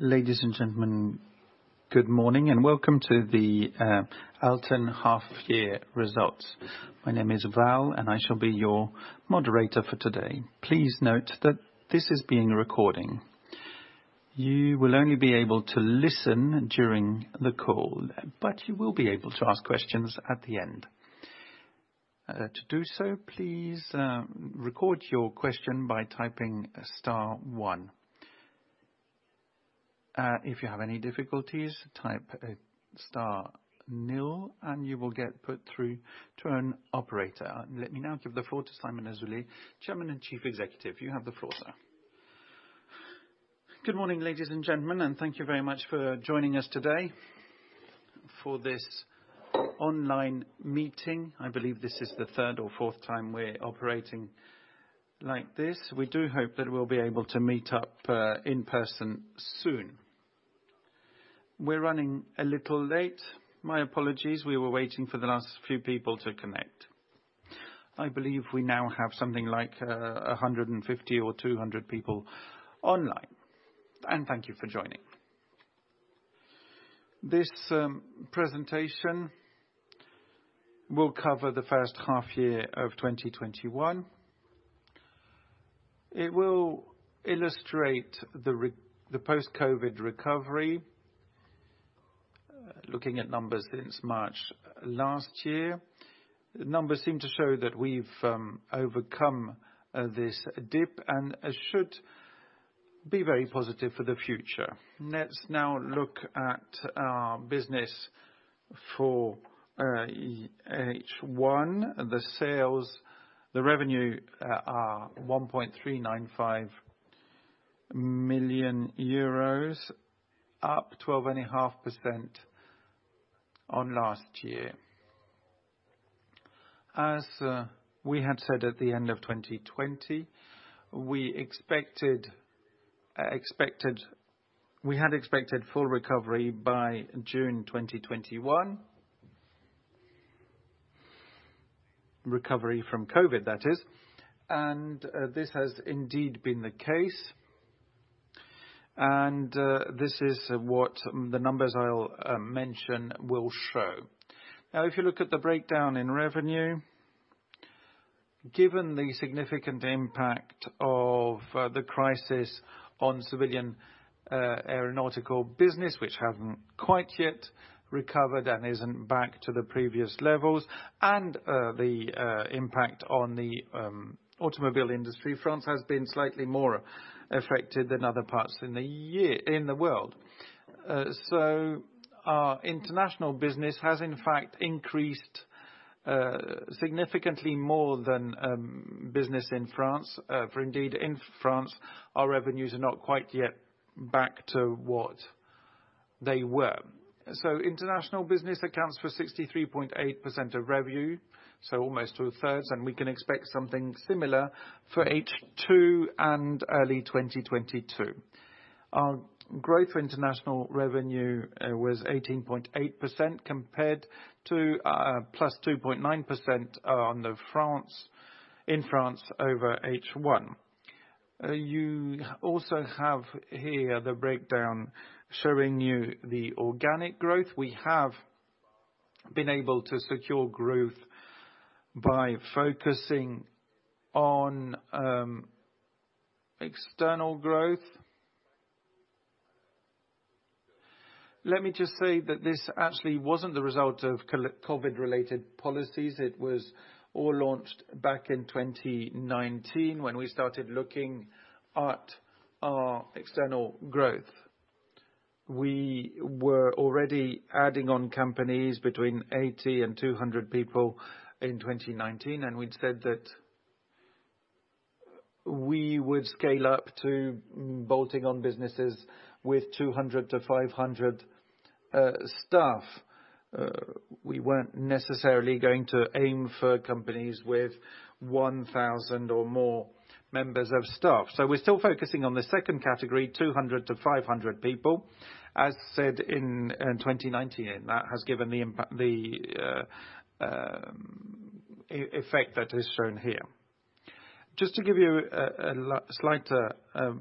Ladies and gentlemen, good morning and welcome to the ALTEN half-year results. My name is Val, and I shall be your moderator for today. Please note that this is being recorded. You will only be able to listen during the call, but you will be able to ask questions at the end. To do so, please record your question by typing star one. If you have any difficulties, type star nil and you will get put through to an operator. Let me now give the floor to Simon Azoulay, Chairman and Chief Executive. You have the floor, sir. Good morning, ladies and gentlemen, and thank you very much for joining us today for this online meeting. I believe this is the third or fourth time we're operating like this. We do hope that we'll be able to meet up in person soon. We're running a little late. My apologies. We were waiting for the last few people to connect. I believe we now have something like 150 or 200 people online. Thank you for joining. This presentation will cover the first half year of 2021. It will illustrate the post-COVID recovery, looking at numbers since March last year. The numbers seem to show that we've overcome this dip and should be very positive for the future. Let's now look at our business for H1. The sales, the revenue are 1.395 million euros, up 12.5% on last year. As we had said at the end of 2020, we had expected full recovery by June 2021. Recovery from COVID, that is, and this has indeed been the case, and this is what the numbers I'll mention will show. Now if you look at the breakdown in revenue, given the significant impact of the crisis on civilian aeronautical business, which hasn't quite yet recovered and isn't back to the previous levels, and the impact on the automobile industry, France has been slightly more affected than other parts in the world. Our international business has in fact increased significantly more than business in France, for indeed in France, our revenues are not quite yet back to what they were. International business accounts for 63.8% of revenue, almost 2/3, and we can expect something similar for H2 and early 2022. Our growth for international revenue was 18.8% compared to, +2.9% in France over H1. You also have here the breakdown showing you the organic growth. We have been able to secure growth by focusing on external growth. Let me just say that this actually wasn't the result of COVID-related policies. It was all launched back in 2019 when we started looking at our external growth. We were already adding on companies between 80 and 200 people in 2019, and we'd said that we would scale up to bolting on businesses with 200 to 500 staff. We weren't necessarily going to aim for companies with 1,000 or more members of staff. We're still focusing on the second category, 200 to 500 people, as said in 2019, and that has given the effect that is shown here. Just to give you a slight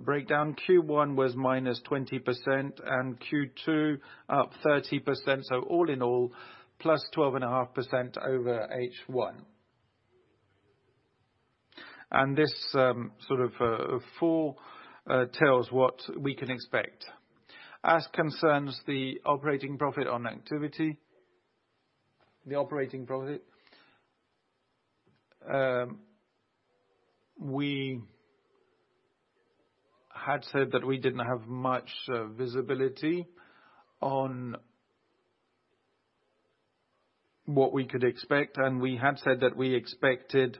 breakdown, Q1 was -20% and Q2 up 30%. All in all, +12.5% over H1. This sort of foretells what we can expect. As concerns the operating profit on activity, the operating profit, we had said that we didn't have much visibility on what we could expect, and we had said that we expected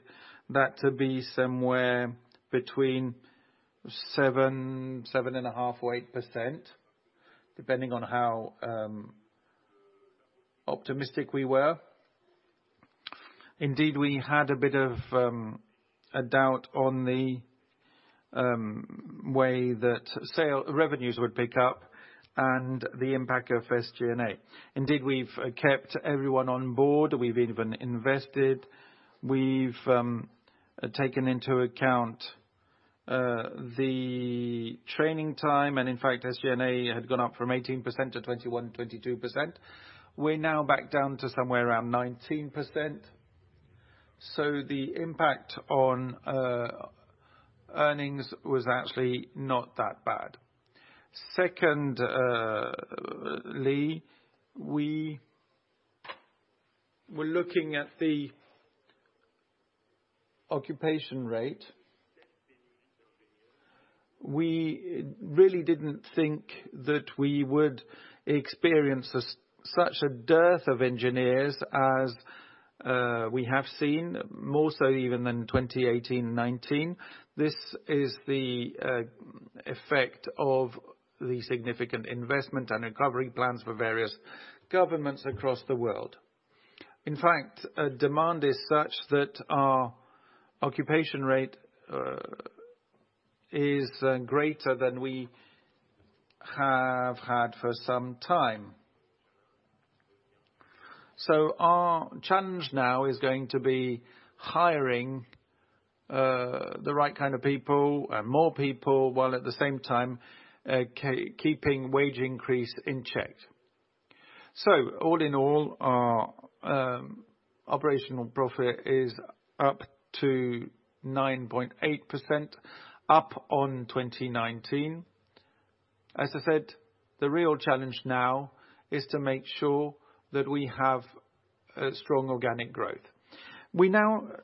that to be somewhere between 7.5%-8%, depending on how optimistic we were. We had a bit of a doubt on the way that revenues would pick up and the impact of SG&A. We've kept everyone on board. We've even invested. We've taken into account the training time. In fact, SG&A had gone up from 18% to 21%, 22%. We're now back down to somewhere around 19%. The impact on earnings was actually not that bad. Secondly, we were looking at the occupation rate. We really didn't think that we would experience such a dearth of engineers as we have seen, more so even than 2018 and 2019. This is the effect of the significant investment and recovery plans for various governments across the world. In fact, demand is such that our occupation rate is greater than we have had for some time. Our challenge now is going to be hiring the right kind of people and more people, while at the same time, keeping wage increase in check. All in all, our operational profit is up to 9.8%, up on 2019. As I said, the real challenge now is to make sure that we have strong organic growth.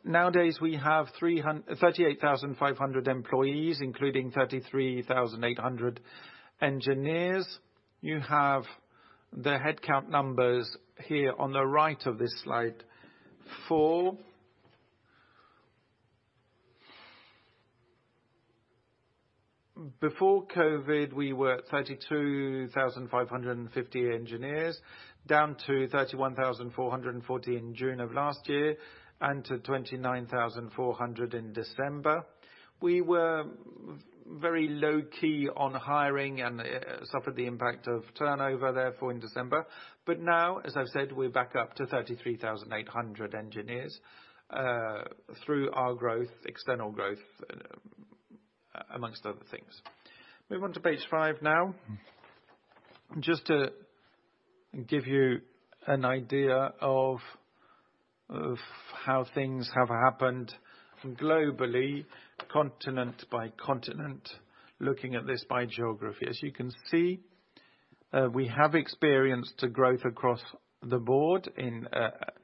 Nowadays we have 38,500 employees, including 33,800 engineers. You have the headcount numbers here on the right of this slide. Before COVID, we were at 32,550 engineers, down to 31,440 in June of last year, and to 29,400 in December. We were very low-key on hiring and suffered the impact of turnover therefore in December. Now, as I've said, we're back up to 33,800 engineers through our external growth, amongst other things. Moving on to page five now. Just to give you an idea of how things have happened globally, continent by continent, looking at this by geography. As you can see, we have experienced a growth across the board. In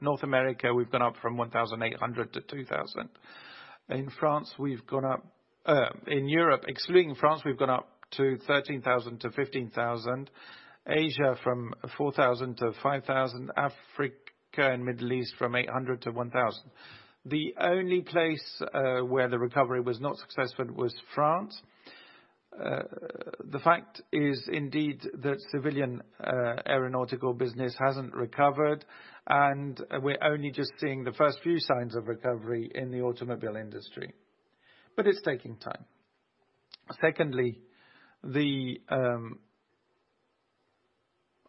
North America, we've gone up from 1,800 to 2,000. In Europe, excluding France, we've gone up to 13,000 to 15,000. Asia, from 4,000 to 5,000. Africa and Middle East, from 800 to 1,000. The only place where the recovery was not successful was France. The fact is indeed that civilian aeronautical business hasn't recovered, and we're only just seeing the first few signs of recovery in the automobile industry. It's taking time. Secondly, the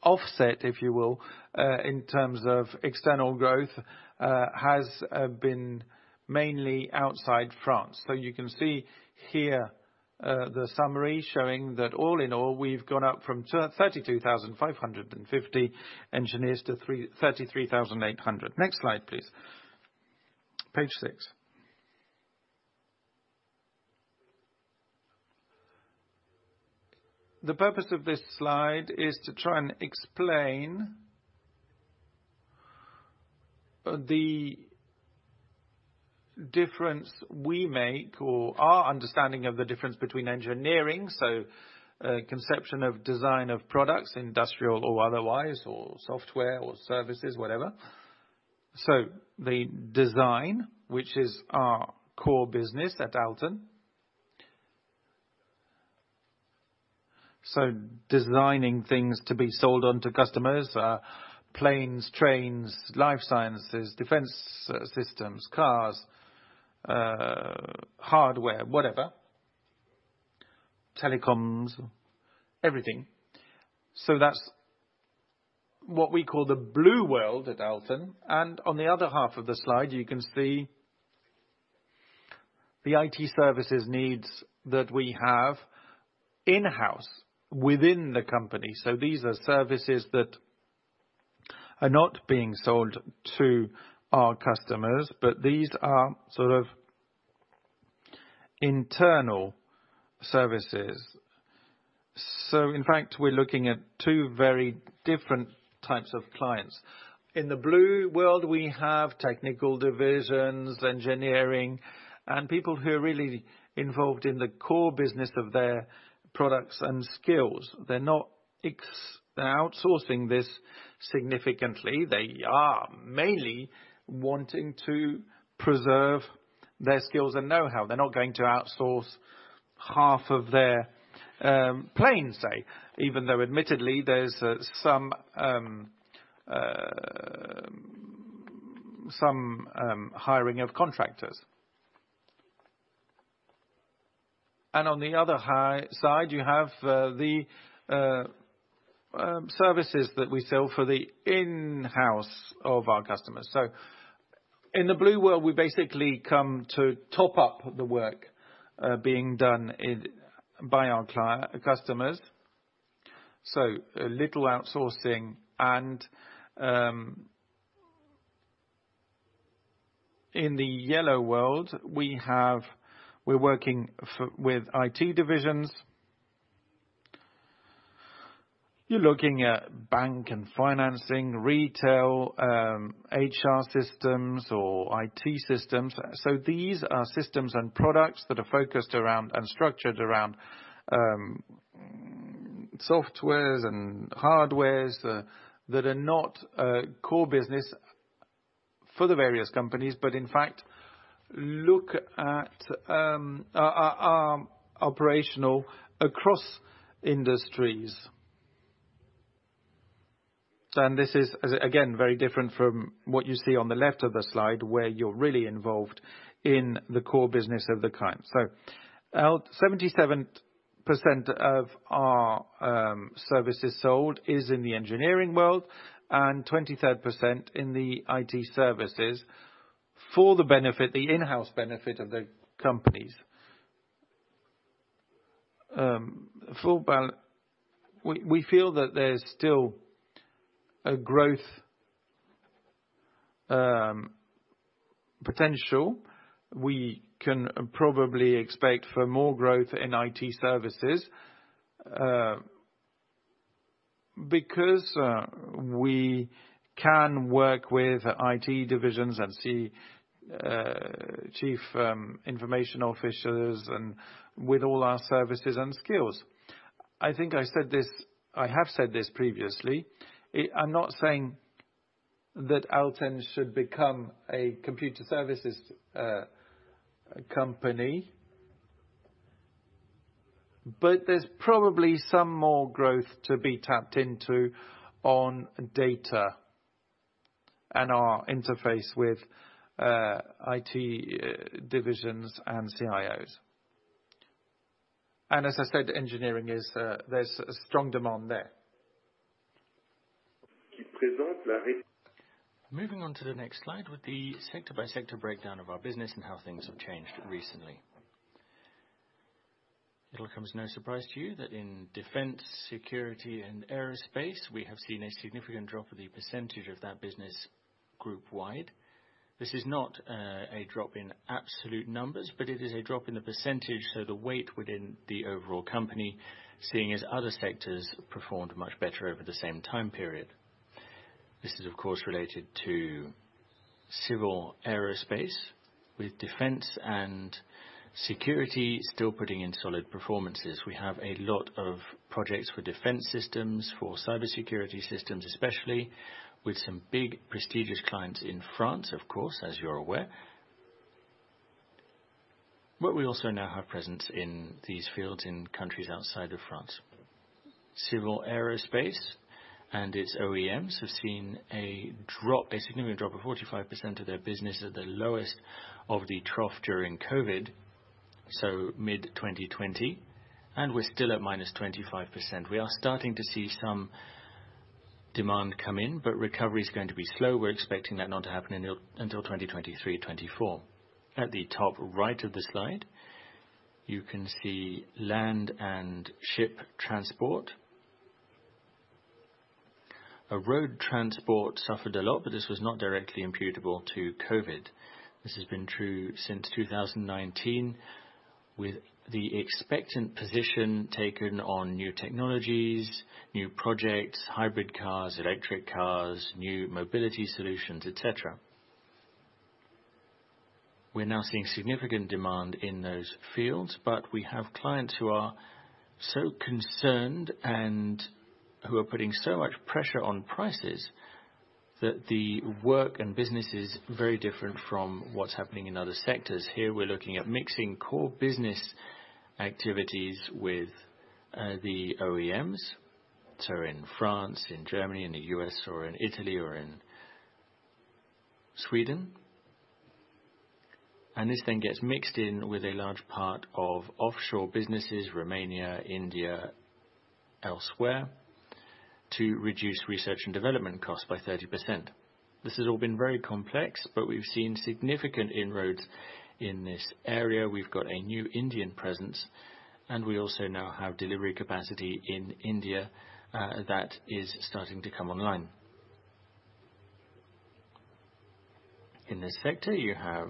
offset, if you will, in terms of external growth, has been mainly outside France. You can see here the summary showing that all in all, we've gone up from 32,550 engineers to 33,800. Next slide, please. Page six. The purpose of this slide is to try and explain the difference we make or our understanding of the difference between engineering, conception of design of products, industrial or otherwise, or software or services, whatever. The design, which is our core business at ALTEN. Designing things to be sold on to customers, planes, trains, life sciences, defense systems, cars, hardware, whatever. Telecoms, everything. That's what we call the blue world at ALTEN. On the other half of the slide, you can see the IT services needs that we have in-house within the company. These are services that are not being sold to our customers, but these are sort of internal services. In fact, we're looking at two very different types of clients. In the blue world, we have technical divisions, engineering, and people who are really involved in the core business of their products and skills. They're outsourcing this significantly. They are mainly wanting to preserve their skills and know-how. They're not going to outsource half of their planes, say, even though admittedly, there's some hiring of contractors. On the other side, you have the services that we sell for the in-house of our customers. In the blue world, we basically come to top up the work being done by our customers. A little outsourcing. In the yellow world, we're working with IT divisions. You're looking at bank and financing, retail, HR systems or IT systems. These are systems and products that are focused around and structured around softwares and hardwares that are not core business for the various companies, but in fact are operational across industries. This is, again, very different from what you see on the left of the slide, where you're really involved in the core business of the client. 77% of our services sold is in the engineering world, and 23% in the IT services for the in-house benefit of the companies. We feel that there's still a growth potential. We can probably expect for more growth in IT services, because we can work with IT divisions and see Chief Information Officers and with all our services and skills. I think I have said this previously. I'm not saying that ALTEN should become a computer services company, but there's probably some more growth to be tapped into on data and our interface with IT divisions and CIOs. As I said, engineering, there's a strong demand there. Moving on to the next slide with the sector-by-sector breakdown of our business and how things have changed recently. It'll come as no surprise to you that in defense, security and aerospace, we have seen a significant drop of the percentage of that business group-wide. This is not a drop in absolute numbers, but it is a drop in the percentage, so the weight within the overall company, seeing as other sectors performed much better over the same time period. This is, of course, related to civil aerospace, with defense and security still putting in solid performances. We have a lot of projects for defense systems, for cybersecurity systems especially, with some big prestigious clients in France, of course, as you're aware. We also now have presence in these fields in countries outside of France. Civil aerospace and its OEMs have seen a significant drop of 45% of their business at the lowest of the trough during COVID, so mid-2020, and we're still at -25%. We are starting to see some demand come in, but recovery is going to be slow. We're expecting that not to happen until 2023/2024. At the top right of the slide, you can see land and ship transport. Road transport suffered a lot, but this was not directly imputable to COVID. This has been true since 2019, with the expectant position taken on new technologies, new projects, hybrid cars, electric cars, new mobility solutions, et cetera. We're now seeing significant demand in those fields, but we have clients who are so concerned and who are putting so much pressure on prices that the work and business is very different from what's happening in other sectors. Here we're looking at mixing core business activities with the OEMs. In France, in Germany, in the U.S., or in Italy, or in Sweden. This then gets mixed in with a large part of offshore businesses, Romania, India, elsewhere, to reduce research and development costs by 30%. This has all been very complex, but we've seen significant inroads in this area. We've got a new Indian presence, and we also now have delivery capacity in India that is starting to come online. In this sector, you have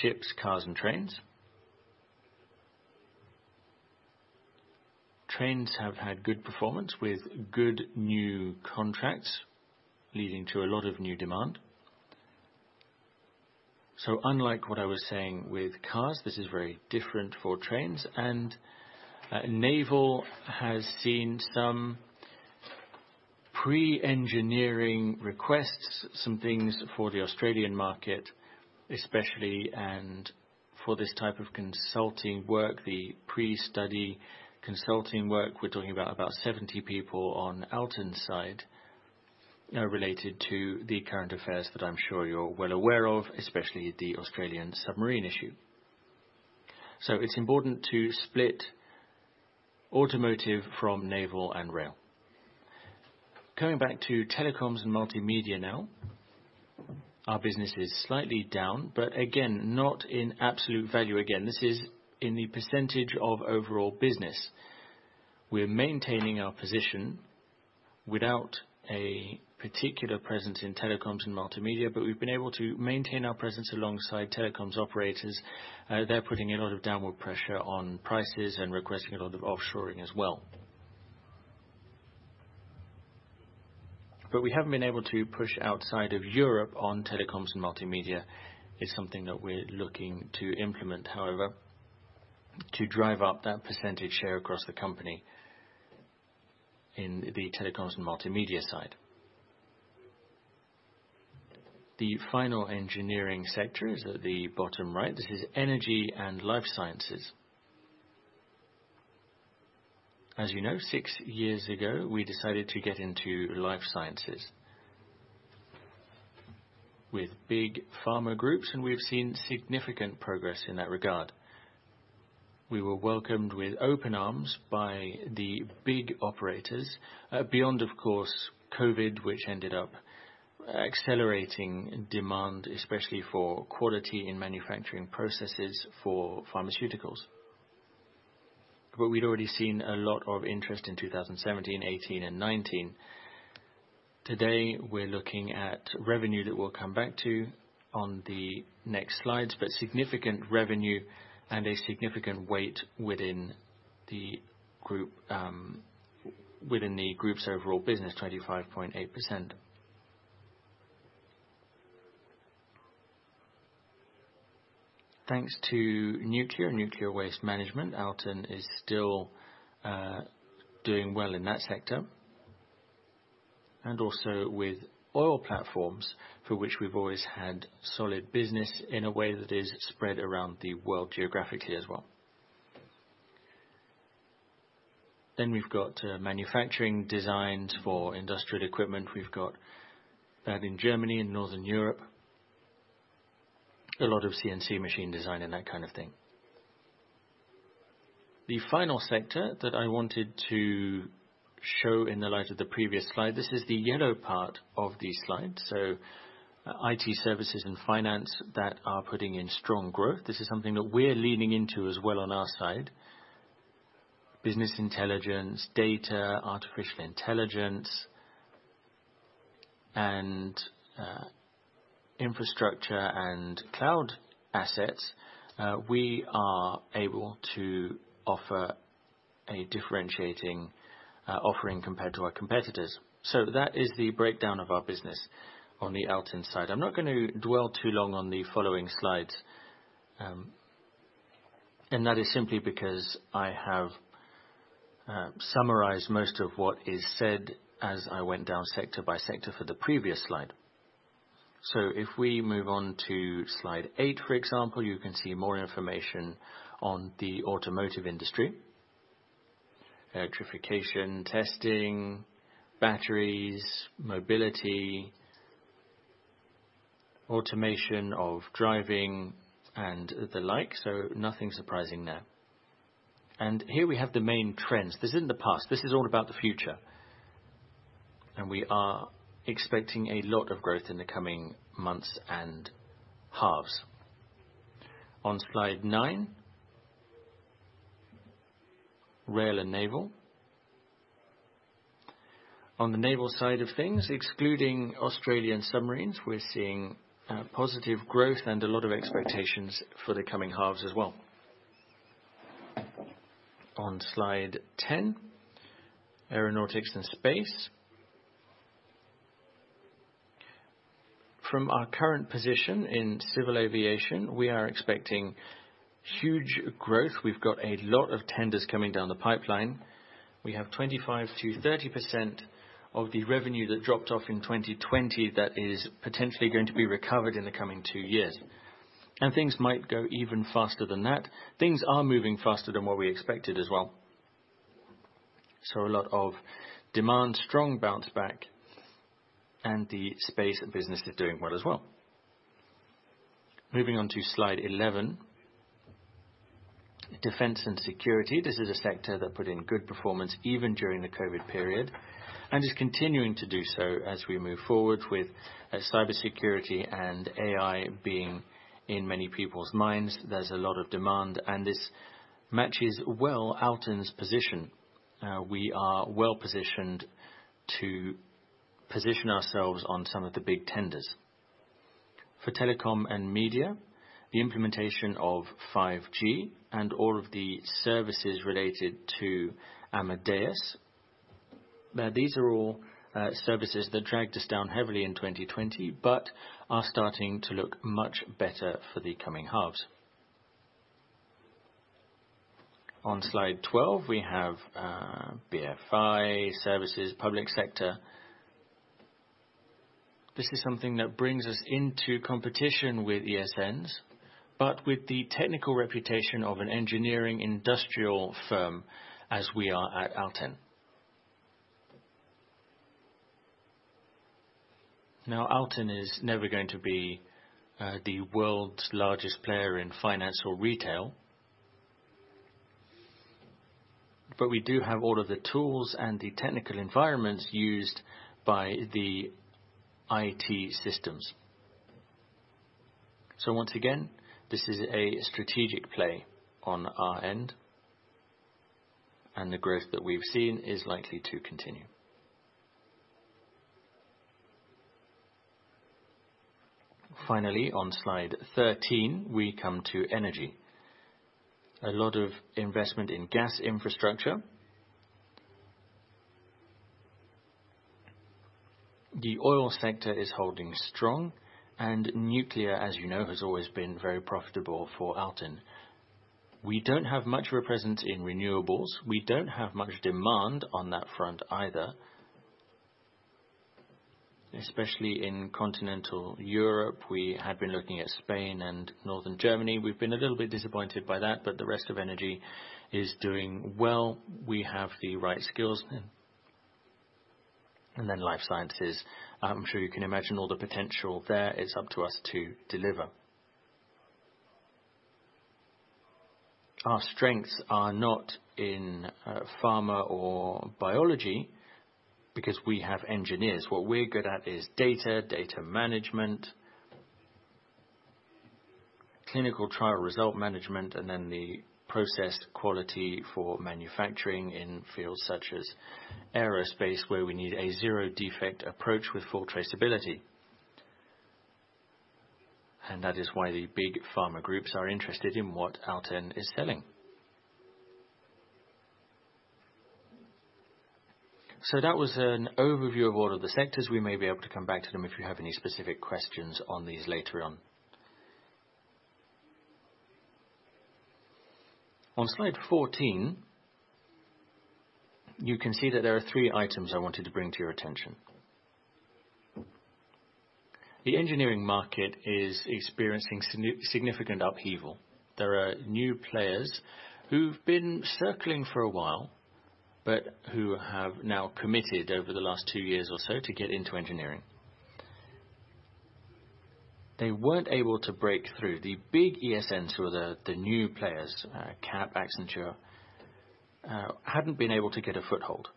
ships, cars and trains. Trains have had good performance with good new contracts leading to a lot of new demand. Unlike what I was saying with cars, this is very different for trains. Naval has seen some pre-engineering requests, some things for the Australian market especially, and for this type of consulting work, the pre-study consulting work, we're talking about 70 people on ALTEN side. Related to the current affairs that I'm sure you're well aware of, especially the Australian submarine issue. It's important to split automotive from naval and rail. Coming back to telecoms and multimedia. Our business is slightly down, again, not in absolute value again. This is in the percentage of overall business. We're maintaining our position without a particular presence in telecoms and multimedia, we've been able to maintain our presence alongside telecoms operators. They're putting a lot of downward pressure on prices and requesting a lot of offshoring as well. We haven't been able to push outside of Europe on telecoms and multimedia, is something that we're looking to implement, however, to drive up that percentage share across the company in the telecoms and multimedia side. The final engineering sector is at the bottom right. This is energy and life sciences. As you know, six years ago, we decided to get into life sciences with big pharma groups, and we've seen significant progress in that regard. We were welcomed with open arms by the big operators, beyond, of course, COVID, which ended up accelerating demand, especially for quality in manufacturing processes for pharmaceuticals. We'd already seen a lot of interest in 2017, 2018, and 2019. Today, we're looking at revenue that we'll come back to on the next slides, but significant revenue and a significant weight within the group's overall business, 25.8%. Thanks to nuclear and nuclear waste management, ALTEN is still doing well in that sector. Also with oil platforms, for which we've always had solid business in a way that is spread around the world geographically as well. We've got manufacturing designs for industrial equipment. We've got that in Germany and Northern Europe. A lot of CNC machine design and that kind of thing. The final sector that I wanted to show in the light of the previous slide, this is the yellow part of the slide, IT services and finance that are putting in strong growth. This is something that we're leaning into as well on our side. Business intelligence, data, artificial intelligence, and infrastructure and cloud assets. We are able to offer a differentiating offering compared to our competitors. That is the breakdown of our business on the ALTEN side. I'm not going to dwell too long on the following slides. That is simply because I have summarized most of what is said as I went down sector by sector for the previous slide. If we move on to slide eight, for example, you can see more information on the automotive industry, electrification, testing, batteries, mobility, automation of driving and the like. Nothing surprising there. Here we have the main trends. This isn't the past. This is all about the future. We are expecting a lot of growth in the coming months and halves. On slide nine, rail and naval. On the naval side of things, excluding Australian submarines, we're seeing positive growth and a lot of expectations for the coming halves as well. On slide 10, aeronautics and space. From our current position in civil aviation, we are expecting huge growth. We've got a lot of tenders coming down the pipeline. We have 25%-30% of the revenue that dropped off in 2020 that is potentially going to be recovered in the coming two years. Things might go even faster than that. Things are moving faster than what we expected as well. A lot of demand, strong bounce back, and the space business is doing well as well. Moving on to slide 11, defense and security. This is a sector that put in good performance even during the COVID period and is continuing to do so as we move forward with cybersecurity and AI being in many people's minds. There's a lot of demand, and this matches well ALTEN's position. We are well-positioned to position ourselves on some of the big tenders. For telecom and media, the implementation of 5G and all of the services related to Amadeus. These are all services that dragged us down heavily in 2020, but are starting to look much better for the coming halves. On slide 12, we have BFSI services, public sector. This is something that brings us into competition with ESNs, but with the technical reputation of an engineering industrial firm as we are at ALTEN. ALTEN is never going to be the world's largest player in finance or retail, but we do have all of the tools and the technical environments used by the IT systems. Once again, this is a strategic play on our end, and the growth that we've seen is likely to continue. On slide 13, we come to energy. A lot of investment in gas infrastructure. The oil sector is holding strong, and nuclear, as you know, has always been very profitable for ALTEN. We don't have much representation in renewables. We don't have much demand on that front either. Especially in continental Europe, we had been looking at Spain and Northern Germany. We've been a little bit disappointed by that, but the rest of energy is doing well. We have the right skills. Then life sciences. I'm sure you can imagine all the potential there. It's up to us to deliver. Our strengths are not in pharma or biology because we have engineers. What we're good at is data management, clinical trial result management, and then the processed quality for manufacturing in fields such as aerospace, where we need a zero-defect approach with full traceability. That is why the big pharma groups are interested in what ALTEN is selling. That was an overview of all of the sectors. We may be able to come back to them if you have any specific questions on these later on. On slide 14, you can see that there are three items I wanted to bring to your attention. The engineering market is experiencing significant upheaval. There are new players who've been circling for a while, but who have now committed over the last two years or so to get into engineering. They weren't able to break through. The big ESNs who are the new players, Capgemini, Accenture, hadn't been able to get a foothold.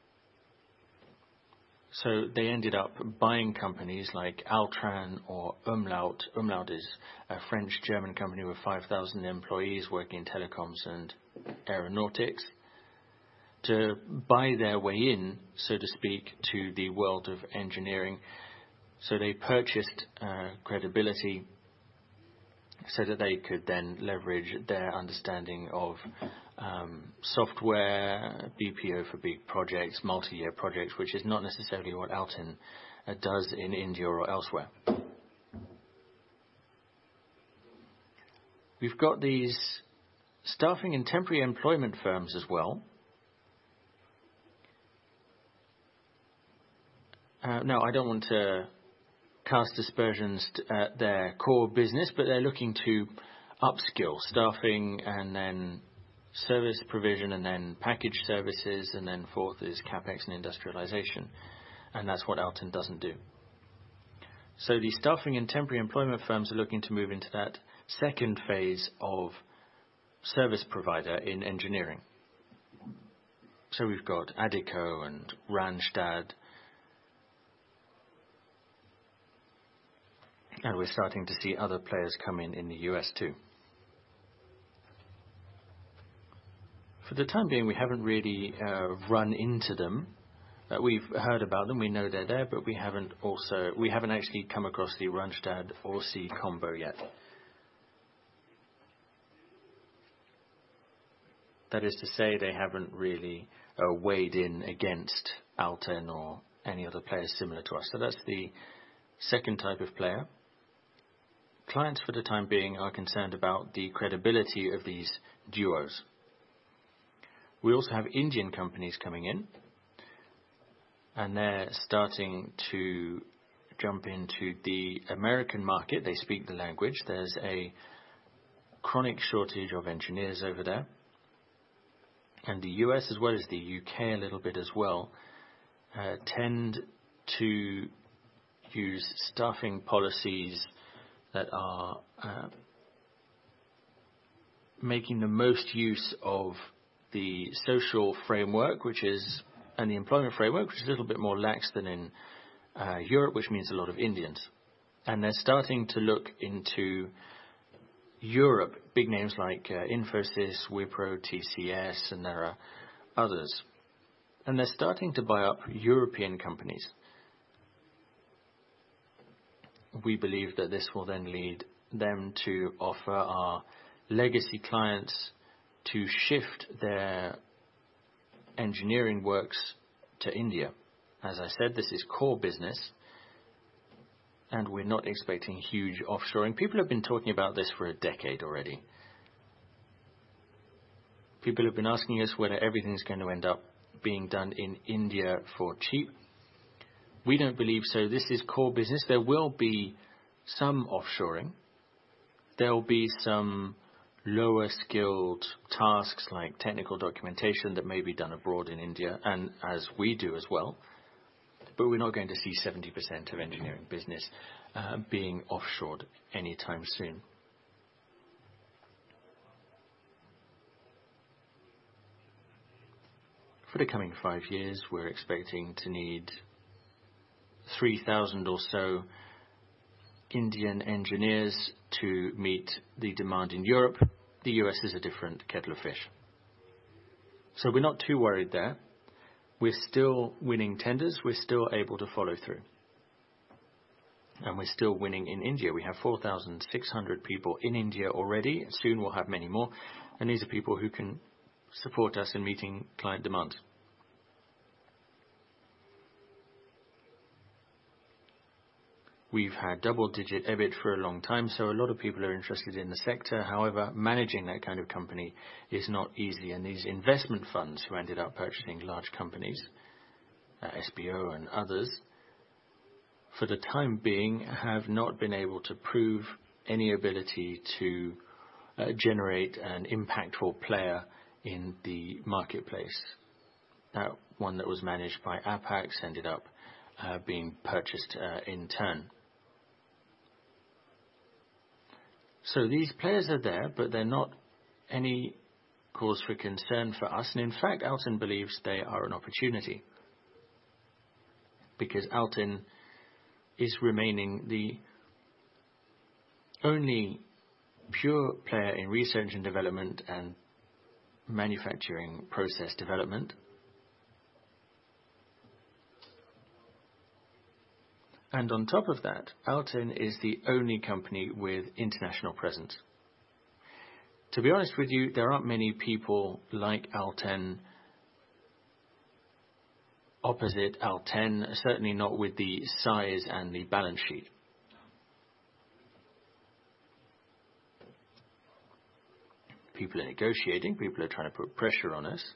They ended up buying companies like Altran or umlaut. umlaut is a French-German company with 5,000 employees working in telecoms and aeronautics to buy their way in, so to speak, to the world of engineering. They purchased credibility so that they could then leverage their understanding of software, BPO for big projects, multi-year projects, which is not necessarily what ALTEN does in India or elsewhere. We've got these staffing and temporary employment firms as well. Now, I don't want to cast aspersions at their core business, but they're looking to upskill staffing and then service provision, and then package services, and then fourth is CapEx and industrialization. That's what ALTEN doesn't do. The staffing and temporary employment firms are looking to move into that second phase of service provider in engineering. We've got Adecco and Randstad, and we're starting to see other players come in in the U.S. too. For the time being, we haven't really run into them. We've heard about them. We know they're there, but we haven't actually come across the Randstad or SII combo yet. That is to say they haven't really weighed in against ALTEN or any other players similar to us. That's the second type of player. Clients for the time being are concerned about the credibility of these duos. We also have Indian companies coming in, and they're starting to jump into the American market. They speak the language. There's a chronic shortage of engineers over there. The U.S. as well as the U.K. a little bit as well, tend to use staffing policies that are making the most use of the social framework and the employment framework, which is a little bit more lax than in Europe, which means a lot of Indians. They're starting to look into Europe. Big names like Infosys, Wipro, TCS, and there are others. They're starting to buy up European companies. We believe that this will lead them to offer our legacy clients to shift their engineering works to India. As I said, this is core business, we're not expecting huge offshoring. People have been talking about this for a decade already. People have been asking us whether everything's going to end up being done in India for cheap. We don't believe so. This is core business. There will be some offshoring. There will be some lower-skilled tasks, like technical documentation, that may be done abroad in India, as we do as well, we're not going to see 70% of engineering business being offshored anytime soon. For the coming five years, we're expecting to need 3,000 or so Indian engineers to meet the demand in Europe. The U.S. is a different kettle of fish. We're not too worried there. We're still winning tenders. We're still able to follow through, and we're still winning in India. We have 4,600 people in India already. Soon we'll have many more, and these are people who can support us in meeting client demand. We've had double-digit EBIT for a long time, so a lot of people are interested in the sector. However, managing that kind of company is not easy, and these investment funds who ended up purchasing large companies, SBO and others, for the time being, have not been able to prove any ability to generate an impactful player in the marketplace. That one that was managed by Apax ended up being purchased in turn. These players are there, but they're not any cause for concern for us. In fact, ALTEN believes they are an opportunity because ALTEN is remaining the only pure player in research and development and manufacturing process development. On top of that, ALTEN is the only company with international presence. To be honest with you, there aren't many people like ALTEN opposite ALTEN, certainly not with the size and the balance sheet. People are negotiating. People are trying to put pressure on us.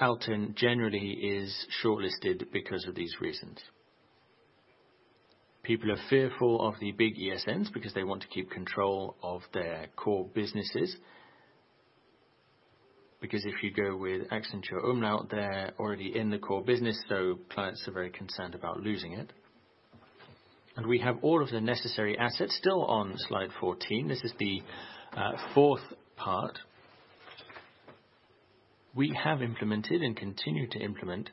ALTEN generally is shortlisted because of these reasons. People are fearful of the big ESNs because they want to keep control of their core businesses. If you go with Accenture, umlaut, they're already in the core business, so clients are very concerned about losing it. We have all of the necessary assets still on slide 14. This is the fourth part. We have implemented and continue to implement.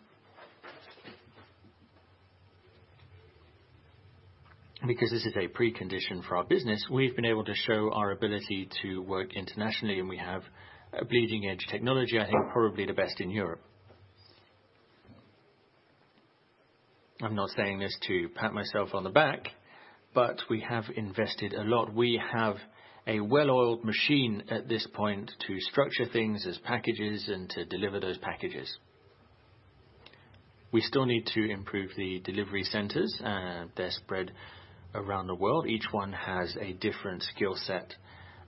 This is a precondition for our business, we've been able to show our ability to work internationally, and we have a bleeding edge technology, I think probably the best in Europe. I'm not saying this to pat myself on the back, but we have invested a lot. We have a well-oiled machine at this point to structure things as packages and to deliver those packages. We still need to improve the delivery centers. They're spread around the world. Each one has a different skill set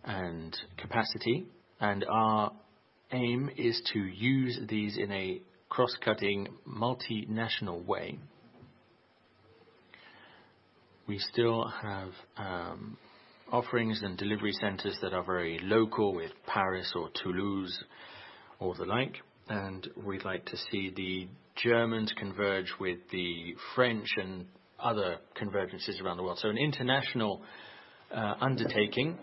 and capacity, and our aim is to use these in a cross-cutting, multinational way. We still have offerings and delivery centers that are very local with Paris or Toulouse or the like, and we'd like to see the Germans converge with the French and other convergences around the world. An international undertaking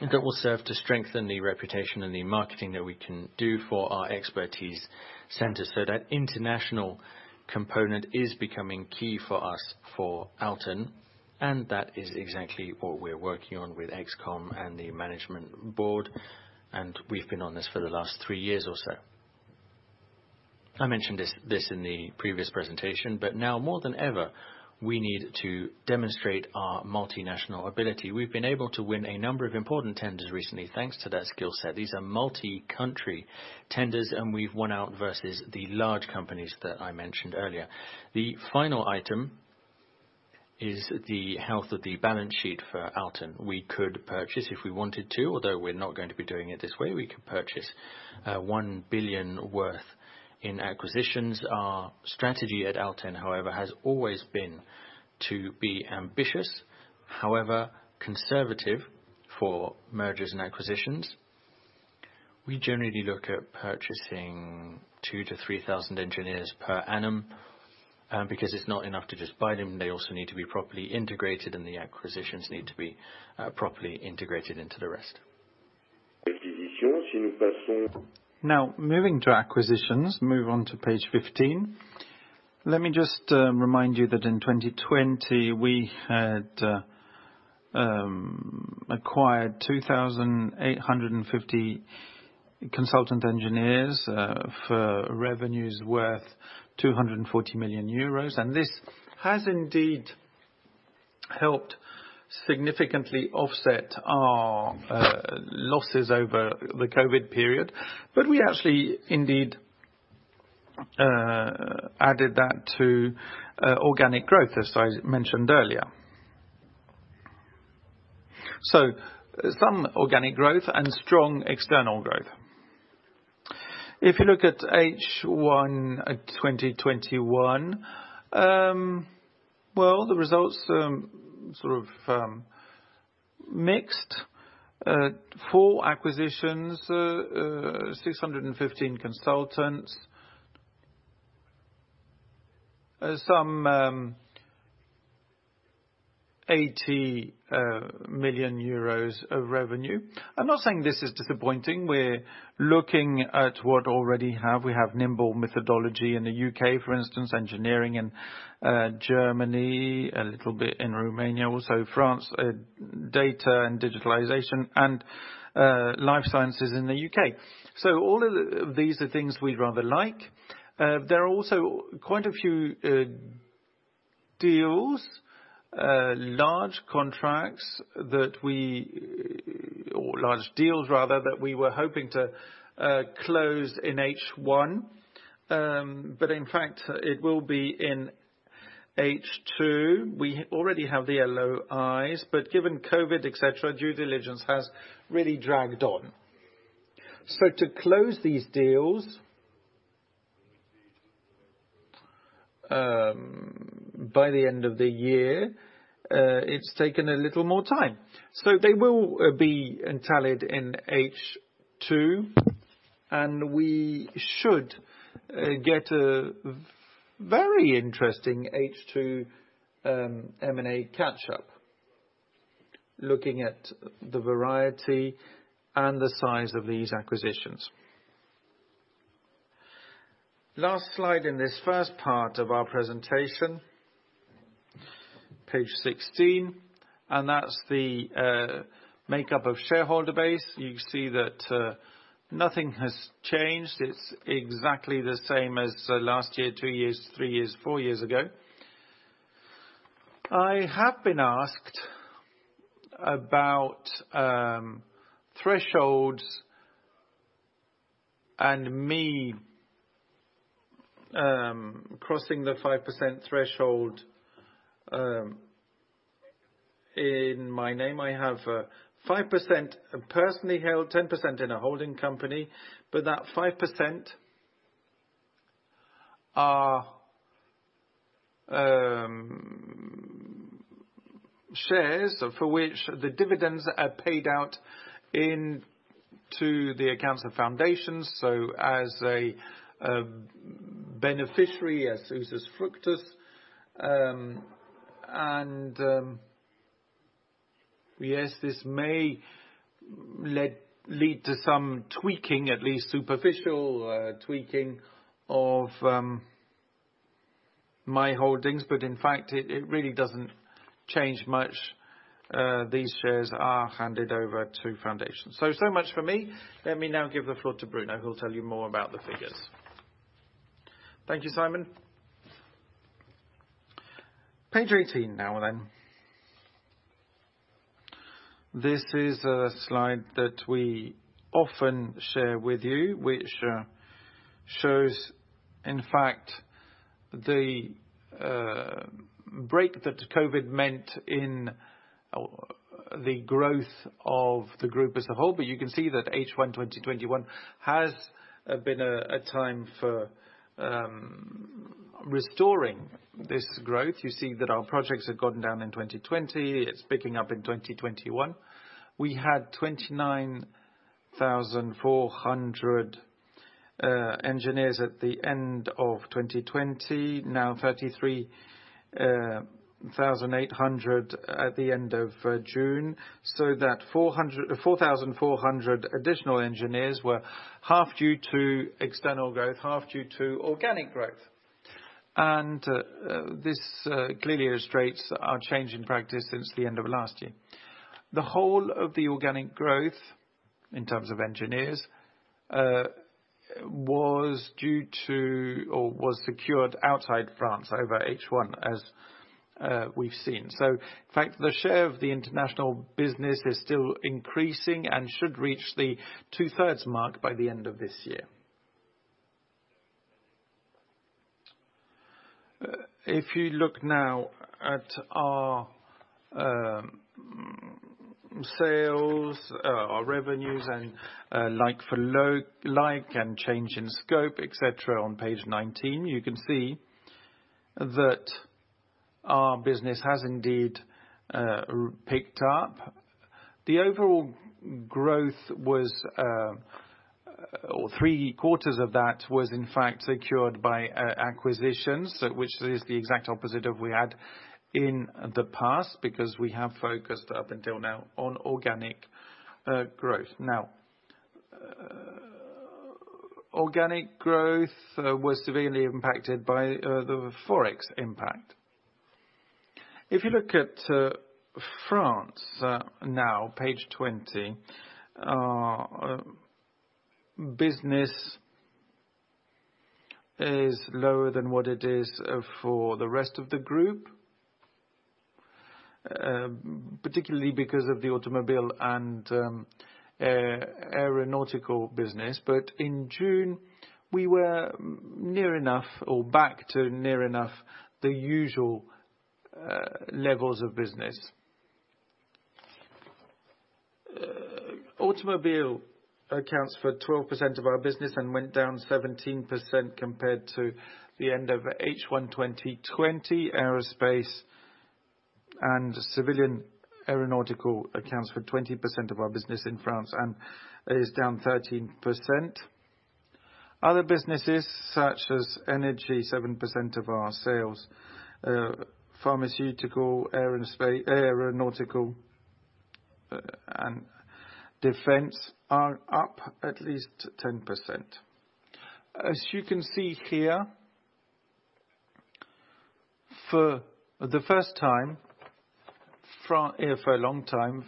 that will serve to strengthen the reputation and the marketing that we can do for our expertise center. That international component is becoming key for us for ALTEN, and that is exactly what we're working on with ExCom and the management board, and we've been on this for the last three years or so. I mentioned this in the previous presentation, now more than ever, we need to demonstrate our multinational ability. We've been able to win a number of important tenders recently, thanks to that skill set. These are multi-country tenders, and we've won out versus the large companies that I mentioned earlier. The final item is the health of the balance sheet for ALTEN. We could purchase if we wanted to, although we're not going to be doing it this way. We could purchase 1 billion worth in acquisitions. Our strategy at ALTEN, however, has always been to be ambitious, however, conservative for mergers and acquisitions. We generally look at purchasing 2,000 to 3,000 engineers per annum. It's not enough to just buy them. They also need to be properly integrated, the acquisitions need to be properly integrated into the rest. Now, moving to acquisitions, move on to page 15. Let me just remind you that in 2020, we had acquired 2,850 consultant engineers for revenues worth 240 million euros. This has indeed helped significantly offset our losses over the COVID period. Added that to organic growth as I mentioned earlier. Some organic growth and strong external growth. If you look at H1 of 2021, well, the results, sort of mixed. Four acquisitions, 615 consultants. Some 80 million euros of revenue. I'm not saying this is disappointing. We're looking at what already have. We have nimble methodology in the U.K., for instance, engineering in Germany, a little bit in Romania, also France, data and digitalization and life sciences in the U.K. So all of these are things we'd rather like. There are also quite a few deals, large contracts or large deals rather, that we were hoping to close in H1, but in fact, it will be in H2. We already have the LOIs, but given COVID et cetera, due diligence has really dragged on. To close these deals, by the end of the year, it's taken a little more time. They will be tallied in H2, and we should get a very interesting H2 M&A catch-up looking at the variety and the size of these acquisitions. Last slide in this first part of our presentation, page 16. That's the makeup of shareholder base. You see that nothing has changed. It's exactly the same as last year, two years, three years, four years ago. I have been asked about thresholds and me crossing the 5% threshold. In my name, I have 5% personally held, 10% in a holding company. That 5% are shares for which the dividends are paid out into the accounts of foundations, so as a beneficiary, usufructus. Yes, this may lead to some tweaking, at least superficial tweaking of my holdings. In fact, it really doesn't change much. These shares are handed over to foundations. So much for me. Let me now give the floor to Bruno, who'll tell you more about the figures. Thank you, Simon. Page 18 now. This is a slide that we often share with you, which shows, in fact, the break that COVID meant in the growth of the group as a whole. You can see that H1 2021 has been a time for restoring this growth. You see that our projects had gotten down in 2020. It's picking up in 2021. We had 29,400 engineers at the end of 2020, now 33,800 at the end of June. That 4,400 additional engineers were half due to external growth, half due to organic growth. This clearly illustrates our change in practice since the end of last year. The whole of the organic growth, in terms of engineers, was due to or was secured outside France over H1, as we've seen. In fact, the share of the international business is still increasing and should reach the two-thirds mark by the end of this year. If you look now at our sales, our revenues, and like for like, and change in scope, et cetera on page 19, you can see that our business has indeed picked up. The overall growth, or three quarters of that was in fact secured by acquisitions, which is the exact opposite of we had in the past because we have focused up until now on organic growth. Organic growth was severely impacted by the Forex impact. If you look at France now, page 20, our business is lower than what it is for the rest of the group. Particularly because of the automobile and aeronautical business. In June, we were near enough or back to near enough the usual levels of business. Automobile accounts for 12% of our business and went down 17% compared to the end of H1 2020. Aerospace and civilian aeronautical accounts for 20% of our business in France, and is down 13%. Other businesses such as energy, 7% of our sales, pharmaceutical, aeronautical, and defense, are up at least 10%. As you can see here, for the first time, for a long time,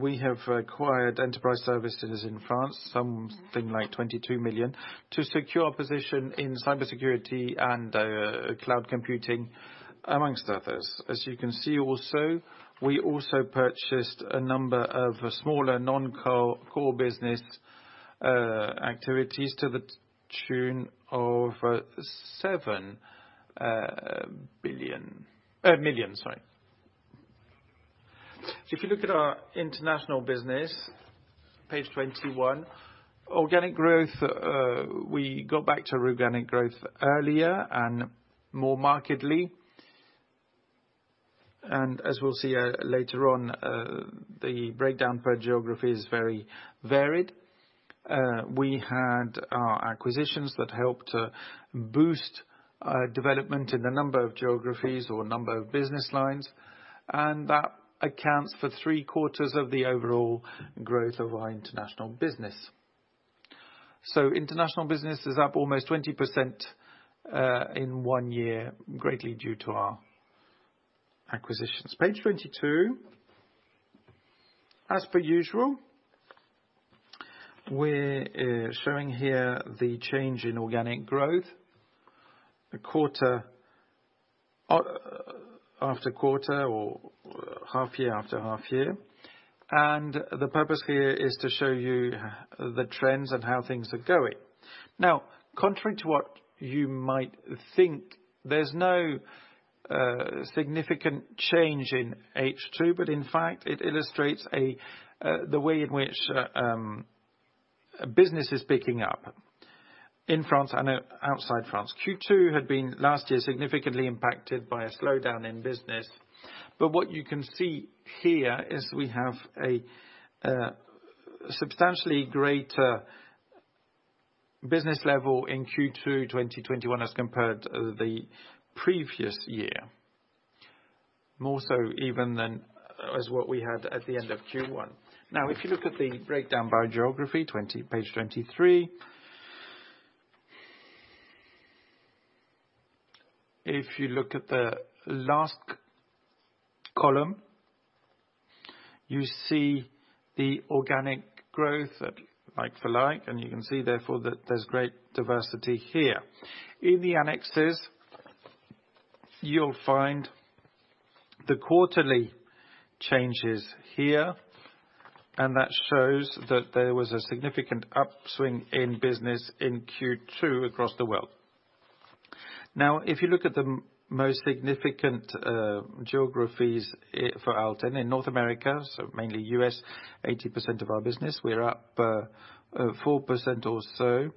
we have acquired enterprise services in France, something like 22 million, to secure our position in cybersecurity and cloud computing, amongst others. As you can see also, we also purchased a number of smaller non-core business activities to the tune of 7 billion. Millions, sorry. If you look at our international business, page 21, organic growth, we got back to organic growth earlier and more markedly. As we'll see later on, the breakdown per geography is very varied. We had our acquisitions that helped boost development in a number of geographies or a number of business lines. That accounts for three quarters of the overall growth of our international business. International business is up almost 20% in one year, greatly due to our acquisitions. Page 22. As per usual, we're showing here the change in organic growth quarter after quarter or half year after half year. The purpose here is to show you the trends and how things are going. Contrary to what you might think, there's no significant change in H2, but in fact, it illustrates the way in which business is picking up in France and outside France. Q2 had been, last year, significantly impacted by a slowdown in business. What you can see here is we have a substantially greater business level in Q2 2021 as compared to the previous year. More so even than as what we had at the end of Q1. If you look at the breakdown by geography, page 23. If you look at the last column, you see the organic growth like for like, you can see, therefore, that there's great diversity here. In the annexes, you'll find the quarterly changes here, that shows that there was a significant upswing in business in Q2 across the world. If you look at the most significant geographies for ALTEN. In North America, so mainly U.S., 80% of our business, we're up 4% or so.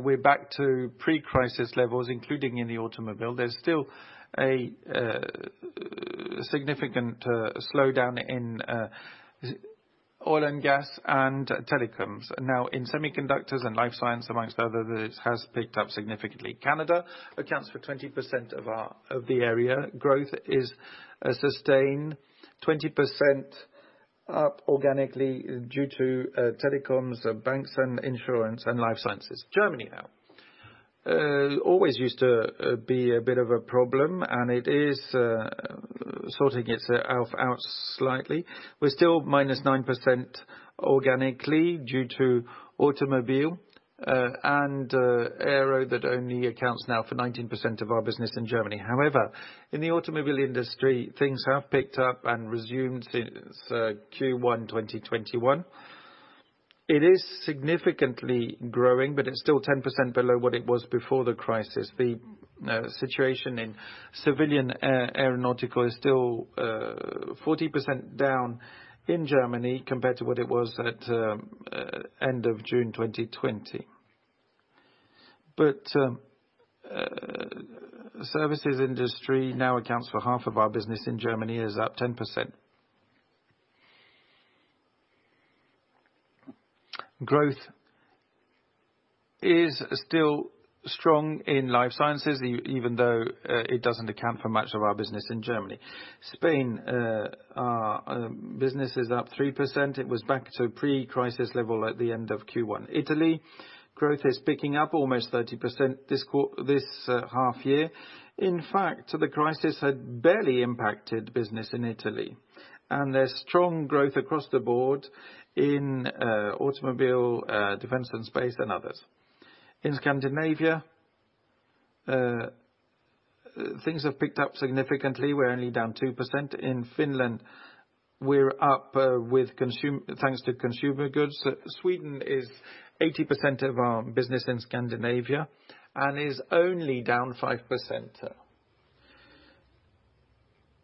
We're back to pre-crisis levels, including in the automobile. There's still a significant slowdown in oil and gas and telecoms. In semiconductors and life science, amongst others, it has picked up significantly. Canada accounts for 20% of the area. Growth is sustained, 20% up organically due to telecoms, banks and insurance and life sciences. Germany now. Always used to be a bit of a problem, it is sorting itself out slightly. We're still -9% organically due to automobile, aero that only accounts now for 19% of our business in Germany. In the automobile industry, things have picked up and resumed since Q1 2021. It is significantly growing, it's still 10% below what it was before the crisis. The situation in civilian aeronautical is still 40% down in Germany compared to what it was at end of June 2020. Services industry now accounts for half of our business in Germany, it is up 10%. Growth is still strong in life sciences, even though it doesn't account for much of our business in Germany. Spain, our business is up 3%. It was back to pre-crisis level at the end of Q1. Italy, growth is picking up almost 30% this half year. In fact, the crisis had barely impacted business in Italy. There's strong growth across the board in automobile, defense and space, and others. In Scandinavia, things have picked up significantly. We're only down 2% in Finland. We're up thanks to consumer goods. Sweden is 80% of our business in Scandinavia and is only down 5%.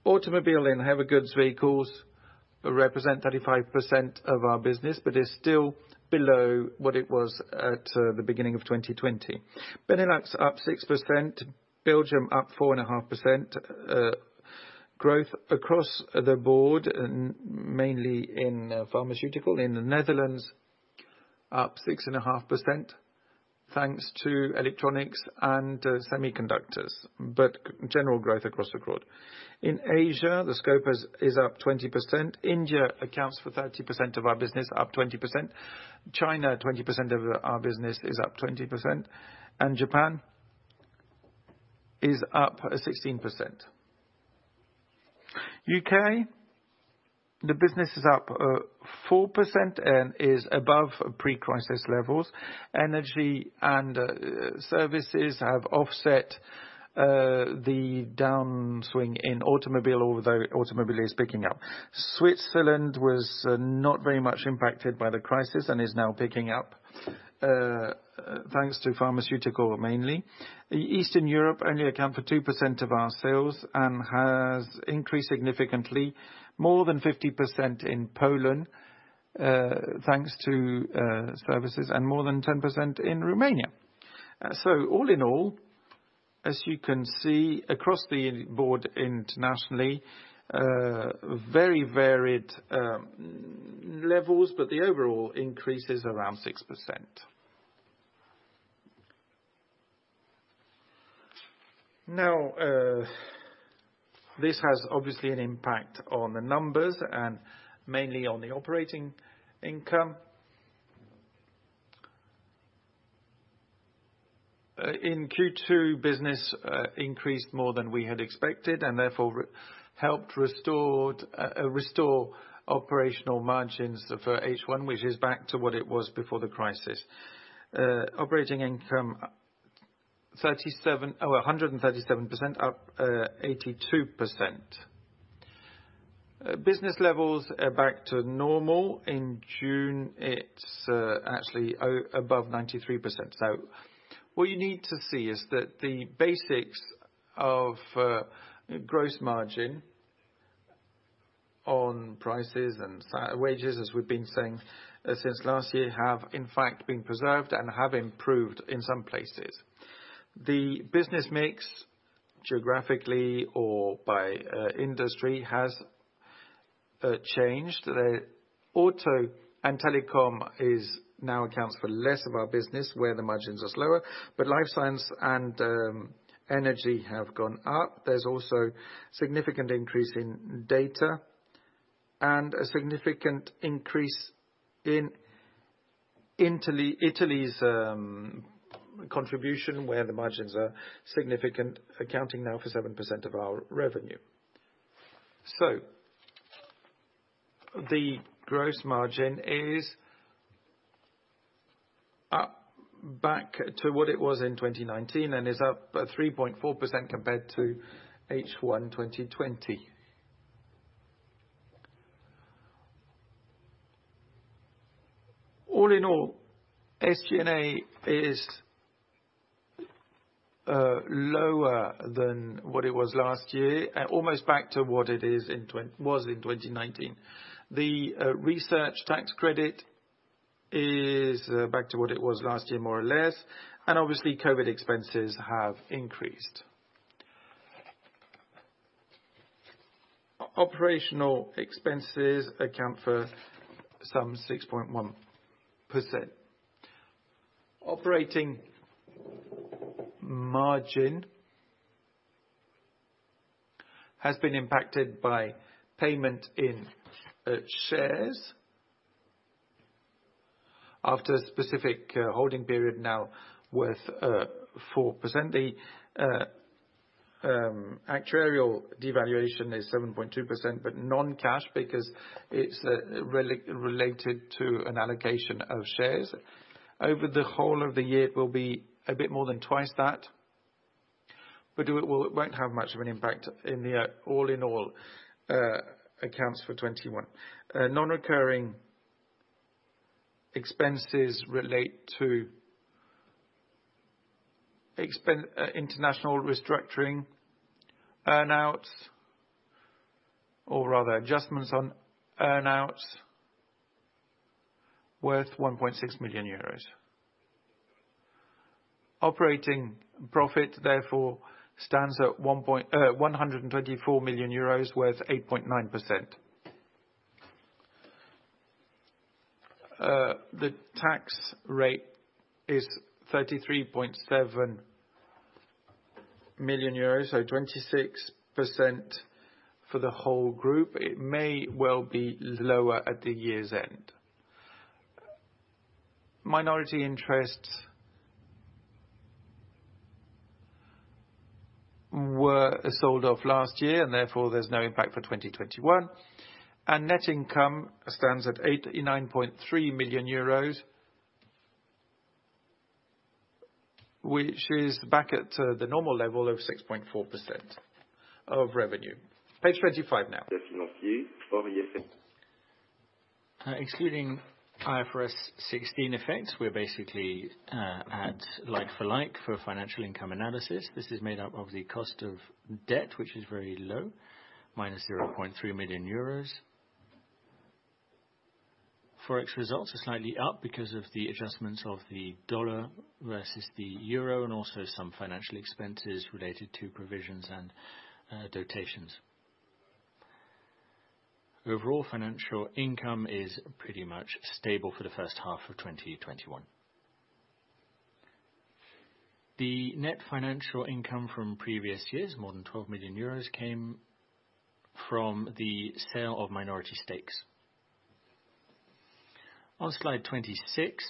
Automobile and heavy goods vehicles represent 35% of our business, but is still below what it was at the beginning of 2020. Benelux up 6%, Belgium up 4.5%. Growth across the board, mainly in pharmaceutical. In the Netherlands, up 6.5% thanks to electronics and semiconductors, but general growth across the board. In Asia, the scope is up 20%. India accounts for 30% of our business, up 20%. China, 20% of our business, is up 20%, and Japan is up 16%. U.K., the business is up 4% and is above pre-crisis levels. Energy and services have offset the downswing in automobile, although automobile is picking up. Switzerland was not very much impacted by the crisis and is now picking up thanks to pharmaceutical, mainly. Eastern Europe only account for 2% of our sales and has increased significantly. More than 50% in Poland, thanks to services, and more than 10% in Romania. All in all, as you can see across the board internationally, very varied levels, but the overall increase is around 6%. This has obviously an impact on the numbers and mainly on the operating income. In Q2, business increased more than we had expected and therefore helped restore operational margins for H1, which is back to what it was before the crisis. Operating income 137%, up 82%. Business levels are back to normal. In June, it's actually above 93%. What you need to see is that the basics of gross margin on prices and wages, as we've been saying since last year, have in fact been preserved and have improved in some places. The business mix, geographically or by industry, has changed. Auto and telecom now accounts for less of our business, where the margins are slower, but life science and energy have gone up. There's also significant increase in data and a significant increase in Italy's contribution, where the margins are significant, accounting now for 7% of our revenue. The gross margin is up back to what it was in 2019 and is up 3.4% compared to H1 2020. All in all, SG&A is lower than what it was last year, almost back to what it was in 2019. The research tax credit is back to what it was last year, more or less. Obviously, COVID expenses have increased. Operational expenses account for some 6.1%. Operating margin has been impacted by payment in shares after a specific holding period now worth 4%. The actuarial devaluation is 7.2%, but non-cash because it's related to an allocation of shares. Over the whole of the year, it will be a bit more than twice that, it won't have much of an impact in the all in all accounts for 2021. Non-recurring expenses relate to international restructuring earn-outs, or rather adjustments on earn-outs worth EUR 1.6 million. Operating profit therefore stands at 124 million euros, worth 8.9%. The tax rate is 33.7 million euros, 26% for the whole group. It may well be lower at the year's end. Minority interest were sold off last year, therefore there's no impact for 2021. Net income stands at 89.3 million euros, which is back at the normal level of 6.4% of revenue. Page 25 now. Excluding IFRS 16 effects, we're basically at like for like for financial income analysis. This is made up of the cost of debt, which is very low, -0.3 million euros. Forex results are slightly up because of the adjustments of the dollar versus the euro, and also some financial expenses related to provisions and donations. Overall financial income is pretty much stable for the first half of 2021. The net financial income from previous years, more than 12 million euros, came from the sale of minority stakes. On slide 26,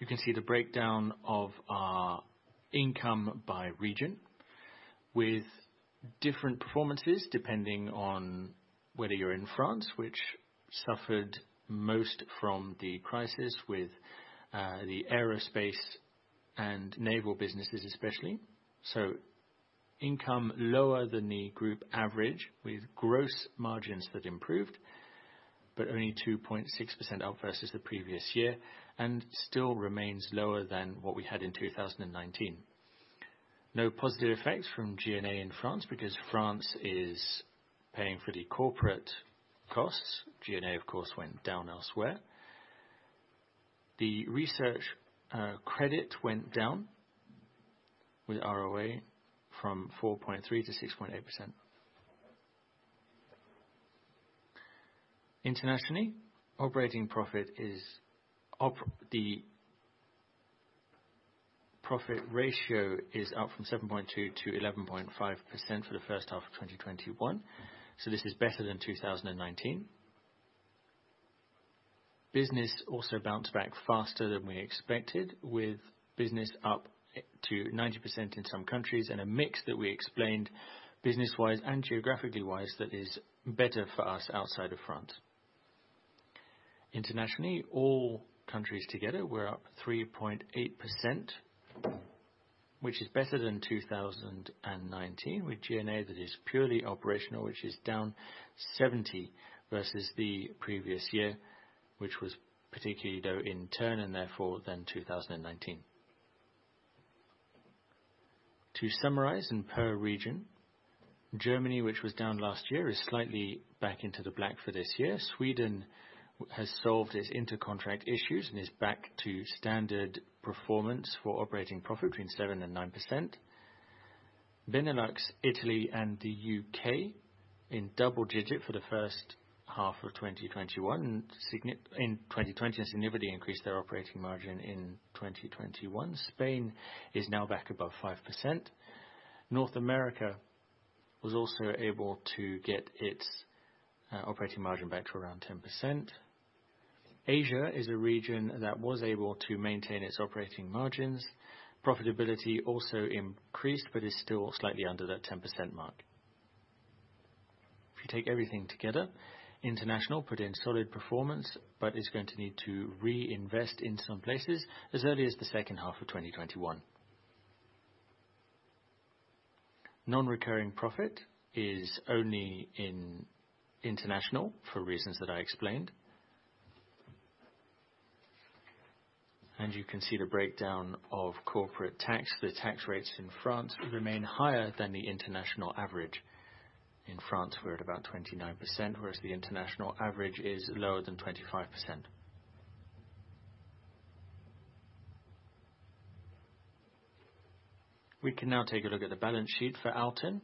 you can see the breakdown of our income by region with different performances depending on whether you're in France, which suffered most from the crisis with the aerospace and naval businesses especially. Income lower than the group average with gross margins that improved, but only 2.6% up versus the previous year and still remains lower than what we had in 2019. No positive effects from G&A in France because France is paying for the corporate costs. G&A, of course, went down elsewhere. The research credit went down with ROA from 4.3% to 6.8%. Internationally, the profit ratio is up from 7.2% to 11.5% for the first half of 2021, this is better than 2019. Business also bounced back faster than we expected, with business up to 90% in some countries and a mix that we explained business-wise and geographically-wise that is better for us outside of France. Internationally, all countries together were up 3.8%, which is better than 2019, with G&A that is purely operational, which is down 70 versus the previous year, which was particularly low in turn and therefore than 2019. To summarize in per region, Germany, which was down last year, is slightly back into the black for this year. Sweden has solved its intercontract issues and is back to standard performance for operating profit between 7%-9%. Benelux, Italy, and the U.K. in double-digit for the first half of 2021, significantly increased their operating margin in 2021. Spain is now back above 5%. North America was also able to get its operating margin back to around 10%. Asia is a region that was able to maintain its operating margins. Profitability also increased, but is still slightly under that 10%. If you take everything together, international put in solid performance, but is going to need to reinvest in some places as early as the second half of 2021. Non-recurring profit is only in international for reasons that I explained. You can see the breakdown of corporate tax. The tax rates in France remain higher than the international average. In France, we're at about 29%, whereas the international average is lower than 25%. We can now take a look at the balance sheet for ALTEN.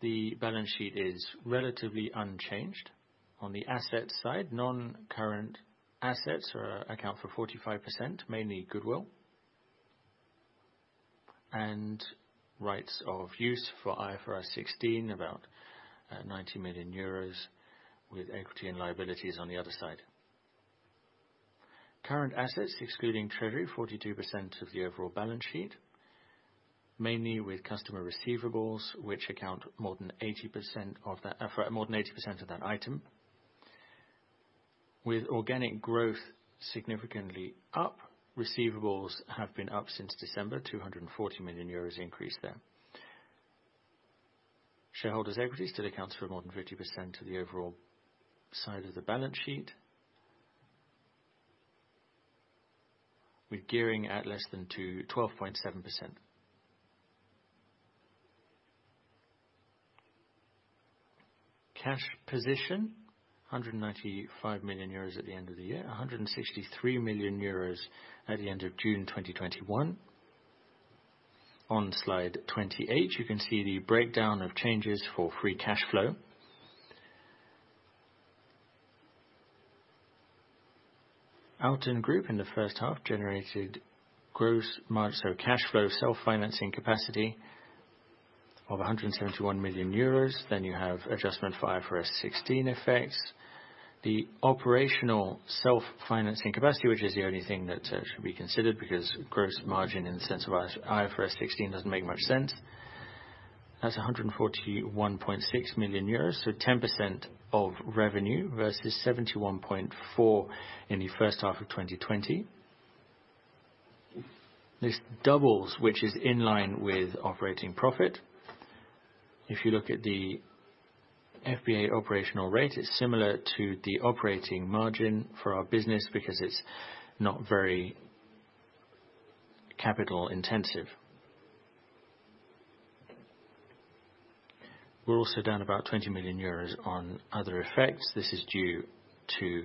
The balance sheet is relatively unchanged. On the asset side, non-current assets account for 45%, mainly goodwill and rights of use for IFRS 16, about 90 million euros with equity and liabilities on the other side. Current assets excluding treasury, 42% of the overall balance sheet, mainly with customer receivables, which account more than 80% of that item. With organic growth significantly up, receivables have been up since December, 240 million euros increase there. Shareholders' equity still accounts for more than 50% of the overall side of the balance sheet, with gearing at less than 12.7%. Cash position, 195 million euros at the end of the year, 163 million euros at the end of June 2021. On slide 28, you can see the breakdown of changes for free cash flow. ALTEN Group in the first half generated cash flow, self-financing capacity of 171 million euros. You have adjustment for IFRS 16 effects. The operational self-financing capacity, which is the only thing that should be considered because gross margin in the sense of IFRS 16 doesn't make much sense. That's 141.6 million euros, so 10% of revenue versus 71.4 million in the first half of 2020. This doubles, which is in line with operating profit. If you look at the FBA operational rate, it's similar to the operating margin for our business because it's not very capital intensive. We're also down about 20 million euros on other effects. This is due to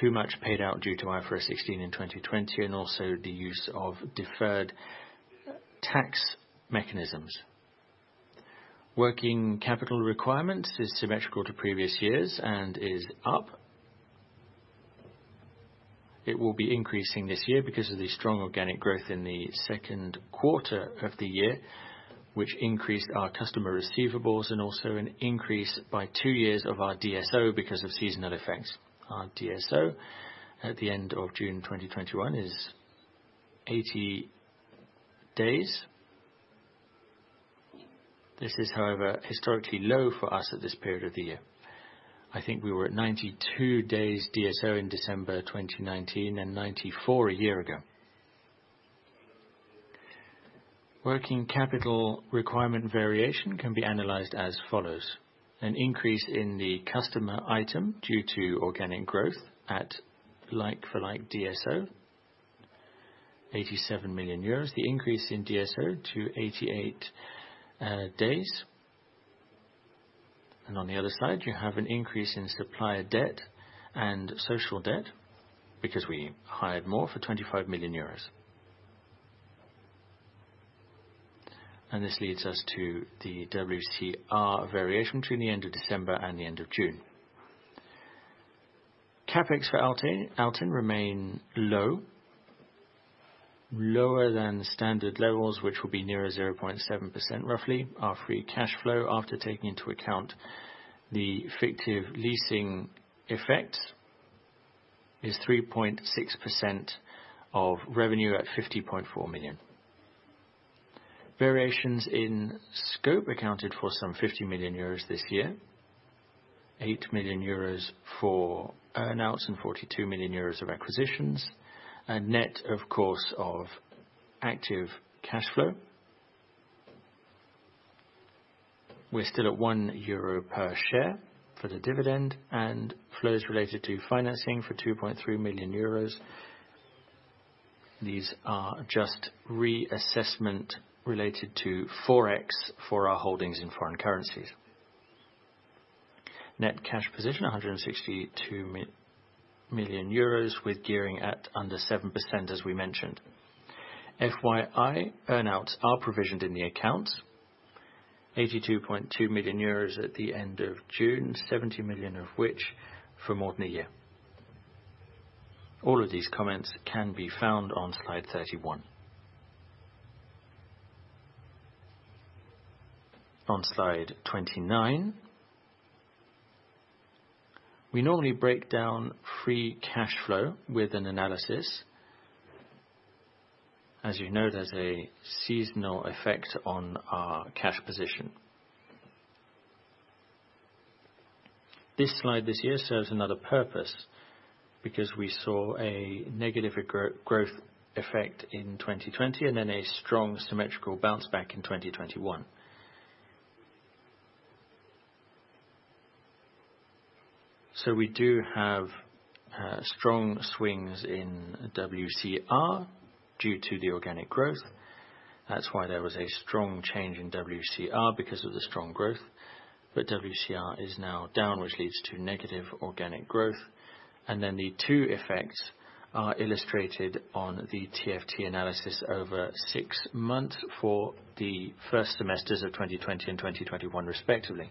too much paid out due to IFRS 16 in 2020, and also the use of deferred tax mechanisms. Working capital requirement is symmetrical to previous years and is up. It will be increasing this year because of the strong organic growth in the second quarter of the year, which increased our customer receivables and also an increase by two years of our DSO because of seasonal effects. Our DSO at the end of June 2021 is 80 days. This is, however, historically low for us at this period of the year. I think we were at 92 days DSO in December 2019 and 94 a year ago. Working capital requirement variation can be analyzed as follows: an increase in the customer item due to organic growth at like-for-like DSO, 87 million euros, the increase in DSO to 88 days. On the other side, you have an increase in supplier debt and social debt because we hired more for 25 million euros. This leads us to the WCR variation between the end of December and the end of June. CapEx for ALTEN remain low. Lower than standard levels, which will be nearer 0.7% roughly. Our free cash flow, after taking into account the fictive leasing effect, is 3.6% of revenue at 50.4 million. Variations in scope accounted for some 50 million euros this year, 8 million euros for earn-outs, and 42 million euros of acquisitions. Net, of course, of active cash flow. We're still at 1 euro per share for the dividend and flows related to financing for 2.3 million euros. These are just reassessment related to Forex for our holdings in foreign currencies. Net cash position, 162 million euros with gearing at under 7%, as we mentioned. FYI, earn-outs are provisioned in the accounts, 82.2 million euros at the end of June, 70 million of which for more than a year. All of these comments can be found on slide 31. On slide 29. We normally break down free cash flow with an analysis. As you know, there's a seasonal effect on our cash position. This slide this year serves another purpose, because we saw a negative growth effect in 2020, and then a strong symmetrical bounce back in 2021. We do have strong swings in WCR due to the organic growth. That's why there was a strong change in WCR because of the strong growth. WCR is now down, which leads to negative organic growth. The two effects are illustrated on the TFT analysis over six months for the first semesters of 2020 and 2021 respectively.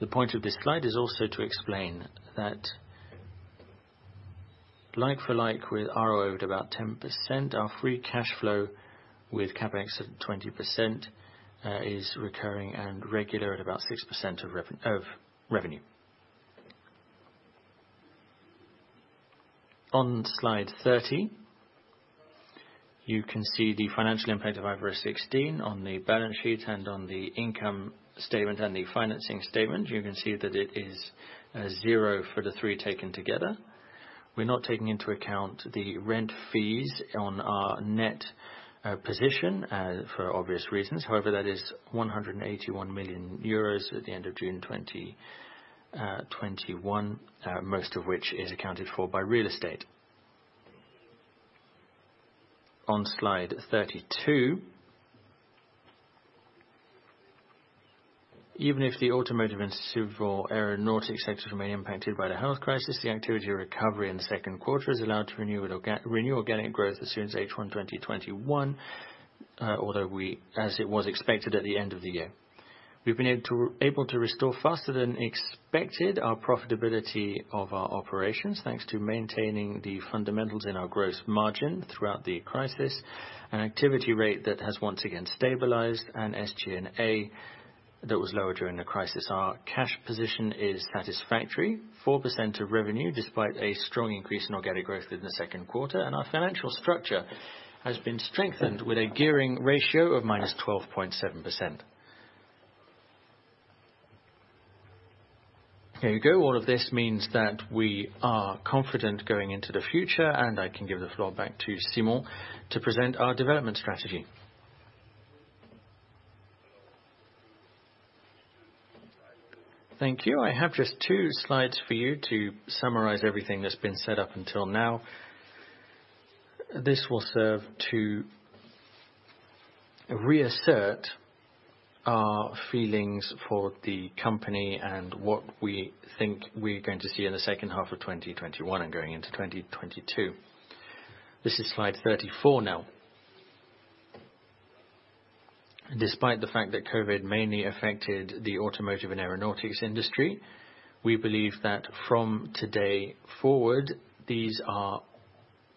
The point of this slide is also to explain that like for like with ROA at about 10%, our free cash flow with CapEx at 20% is recurring and regular at about 6% of revenue. On slide 30, you can see the financial impact of IFRS 16 on the balance sheet and on the income statement and the financing statement. You can see that it is zero for the three taken together. We're not taking into account the rent fees on our net position, for obvious reasons. That is 181 million euros at the end of June 2021, most of which is accounted for by real estate. On slide 32. Even if the automotive and civil aeronautics sectors remain impacted by the health crisis, the activity recovery in the second quarter has allowed to renew organic growth as soon as H1 2021, as it was expected at the end of the year. We've been able to restore faster than expected our profitability of our operations, thanks to maintaining the fundamentals in our gross margin throughout the crisis, an activity rate that has once again stabilized and SG&A that was lower during the crisis. Our cash position is satisfactory. 4% of revenue, despite a strong increase in organic growth within the second quarter, our financial structure has been strengthened with a gearing ratio of -12.7%. There you go. All of this means that we are confident going into the future, and I can give the floor back to Simon to present our development strategy. Thank you. I have just two slides for you to summarize everything that's been said up until now. This will serve to reassert our feelings for the company and what we think we're going to see in the second half of 2021 and going into 2022. This is slide 34 now. Despite the fact that COVID mainly affected the automotive and aeronautics industry, we believe that from today forward, these are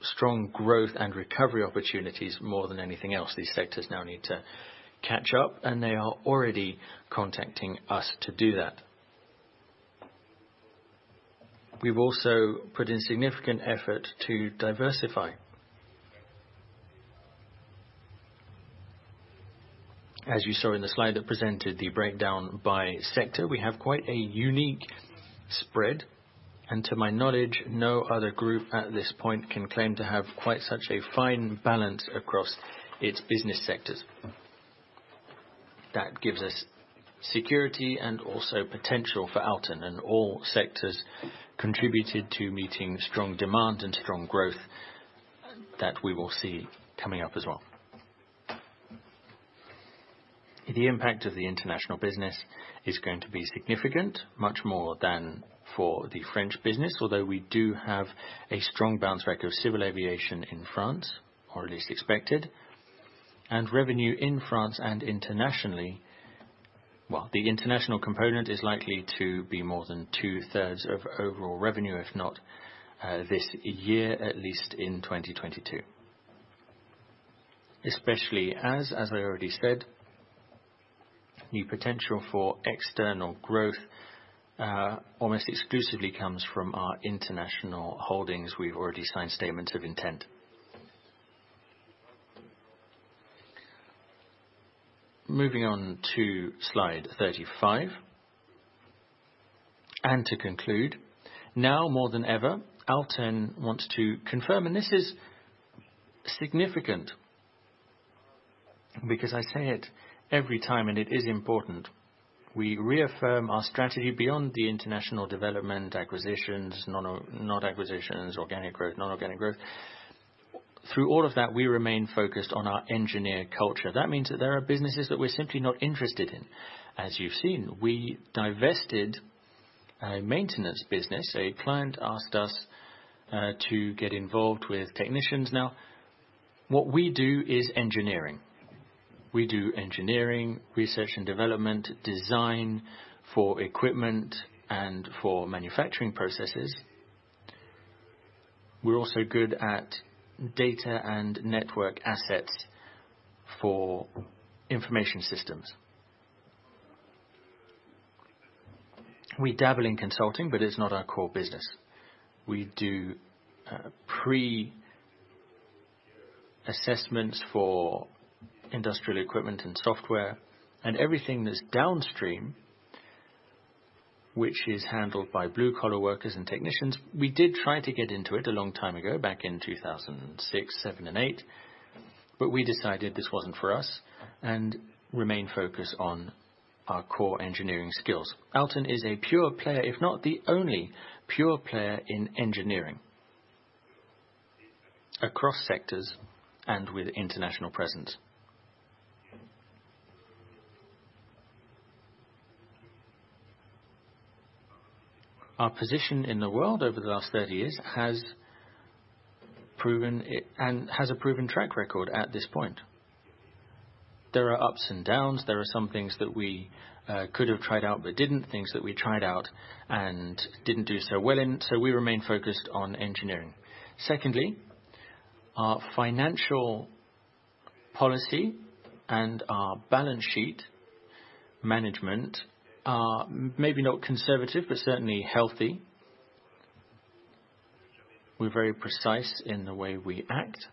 strong growth and recovery opportunities more than anything else. These sectors now need to catch up, and they are already contacting us to do that. We've also put in significant effort to diversify. As you saw in the slide that presented the breakdown by sector, we have quite a unique spread, and to my knowledge, no other group at this point can claim to have quite such a fine balance across its business sectors. That gives us security and also potential for ALTEN, and all sectors contributed to meeting strong demand and strong growth that we will see coming up as well. The impact of the international business is going to be significant, much more than for the French business, although we do have a strong bounce back of civil aviation in France, or at least expected. Revenue in France and internationally. Well, the international component is likely to be more than two-thirds of overall revenue, if not this year, at least in 2022. Especially as I already said, new potential for external growth almost exclusively comes from our international holdings. We've already signed statements of intent. Moving on to slide 35. To conclude, now more than ever, ALTEN wants to confirm, this is significant because I say it every time, and it is important. We reaffirm our strategy beyond the international development acquisitions, not acquisitions, organic growth, non-organic growth. Through all of that, we remain focused on our engineer culture. That means that there are businesses that we're simply not interested in. As you've seen, we divested a maintenance business. A client asked us to get involved with technicians now. What we do is engineering. We do engineering, research and development, design for equipment and for manufacturing processes. We're also good at data and network assets for information systems. We dabble in consulting, but it's not our core business. We do pre-assessments for industrial equipment and software and everything that's downstream, which is handled by blue collar workers and technicians. We did try to get into it a long time ago, back in 2006, 2007 and 2008, but we decided this wasn't for us and remain focused on our core engineering skills. ALTEN is a pure player, if not the only pure player in engineering across sectors and with international presence. Our position in the world over the last 30 years has a proven track record at this point. There are ups and downs. There are some things that we could have tried out but didn't, things that we tried out and didn't do so well in. We remain focused on engineering. Secondly, our financial policy and our balance sheet management are maybe not conservative, but certainly healthy. We're very precise in the way we act.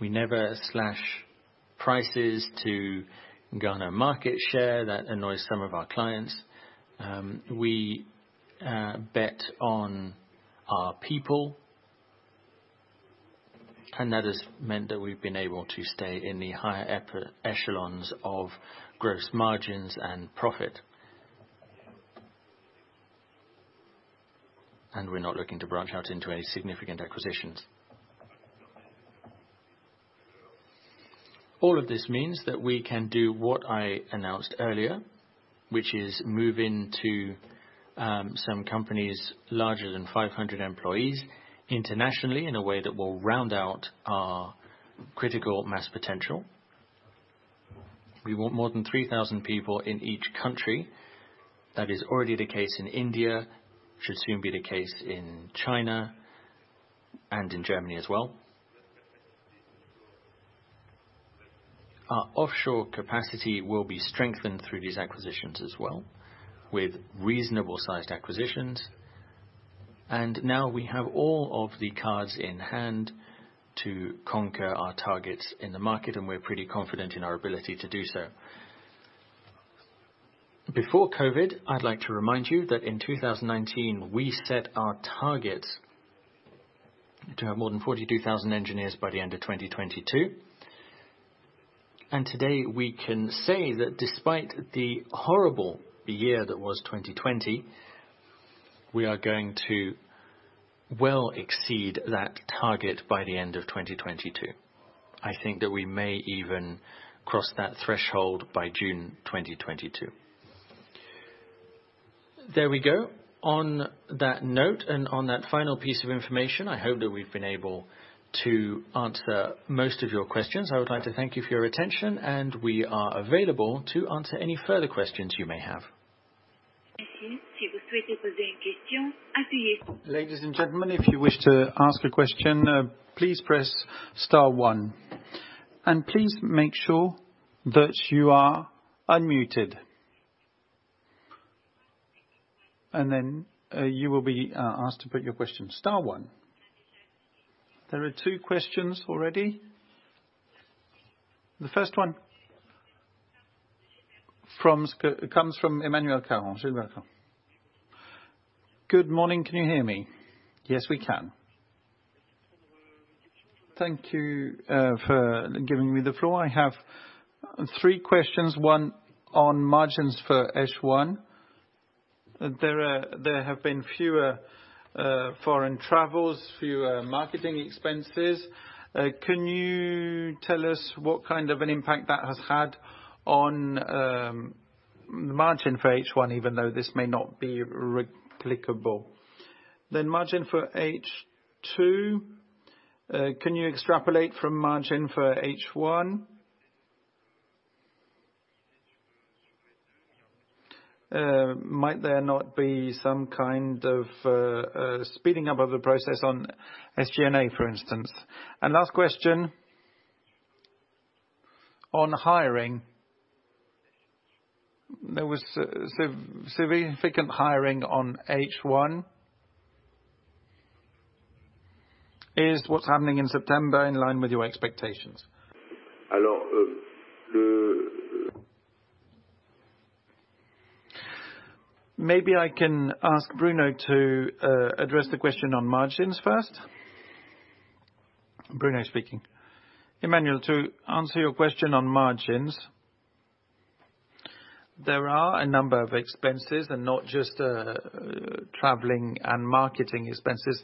We never slash prices to gain our market share. That annoys some of our clients. We bet on our people, and that has meant that we've been able to stay in the higher echelons of gross margins and profit. We're not looking to branch out into any significant acquisitions. All of this means that we can do what I announced earlier, which is move into some companies larger than 500 employees internationally in a way that will round out our critical mass potential. We want more than 3,000 people in each country. That is already the case in India, should soon be the case in China, and in Germany as well. Our offshore capacity will be strengthened through these acquisitions as well, with reasonable-sized acquisitions. Now we have all of the cards in hand to conquer our targets in the market, and we're pretty confident in our ability to do so. Before COVID, I'd like to remind you that in 2019, we set our target to have more than 42,000 engineers by the end of 2022. Today, we can say that despite the horrible year that was 2020, we are going to well exceed that target by the end of 2022. I think that we may even cross that threshold by June 2022. There we go. On that note, and on that final piece of information, I hope that we've been able to answer most of your questions. I would like to thank you for your attention, and we are available to answer any further questions you may have. Ladies and gentlemen, if you wish to ask a question, please press star one. Please make sure that you are unmuted. Then you will be asked to put your question. Star one. There are two questions already. The first one comes from Emmanuel Parot. Good morning. Can you hear me? Yes, we can. Thank you for giving me the floor. I have three questions, one on margins for H1. There have been fewer foreign travels, fewer marketing expenses. Can you tell us what kind of an impact that has had on margin for H1, even though this may not be replicable? Margin for H2, can you extrapolate from margin for H1? Might there not be some kind of speeding up of the process on SG&A, for instance? Last question, on hiring. There was significant hiring on H1. Is what's happening in September in line with your expectations? Maybe I can ask Bruno to address the question on margins first. Emmanuel, to answer your question on margins, there are a number of expenses, and not just traveling and marketing expenses,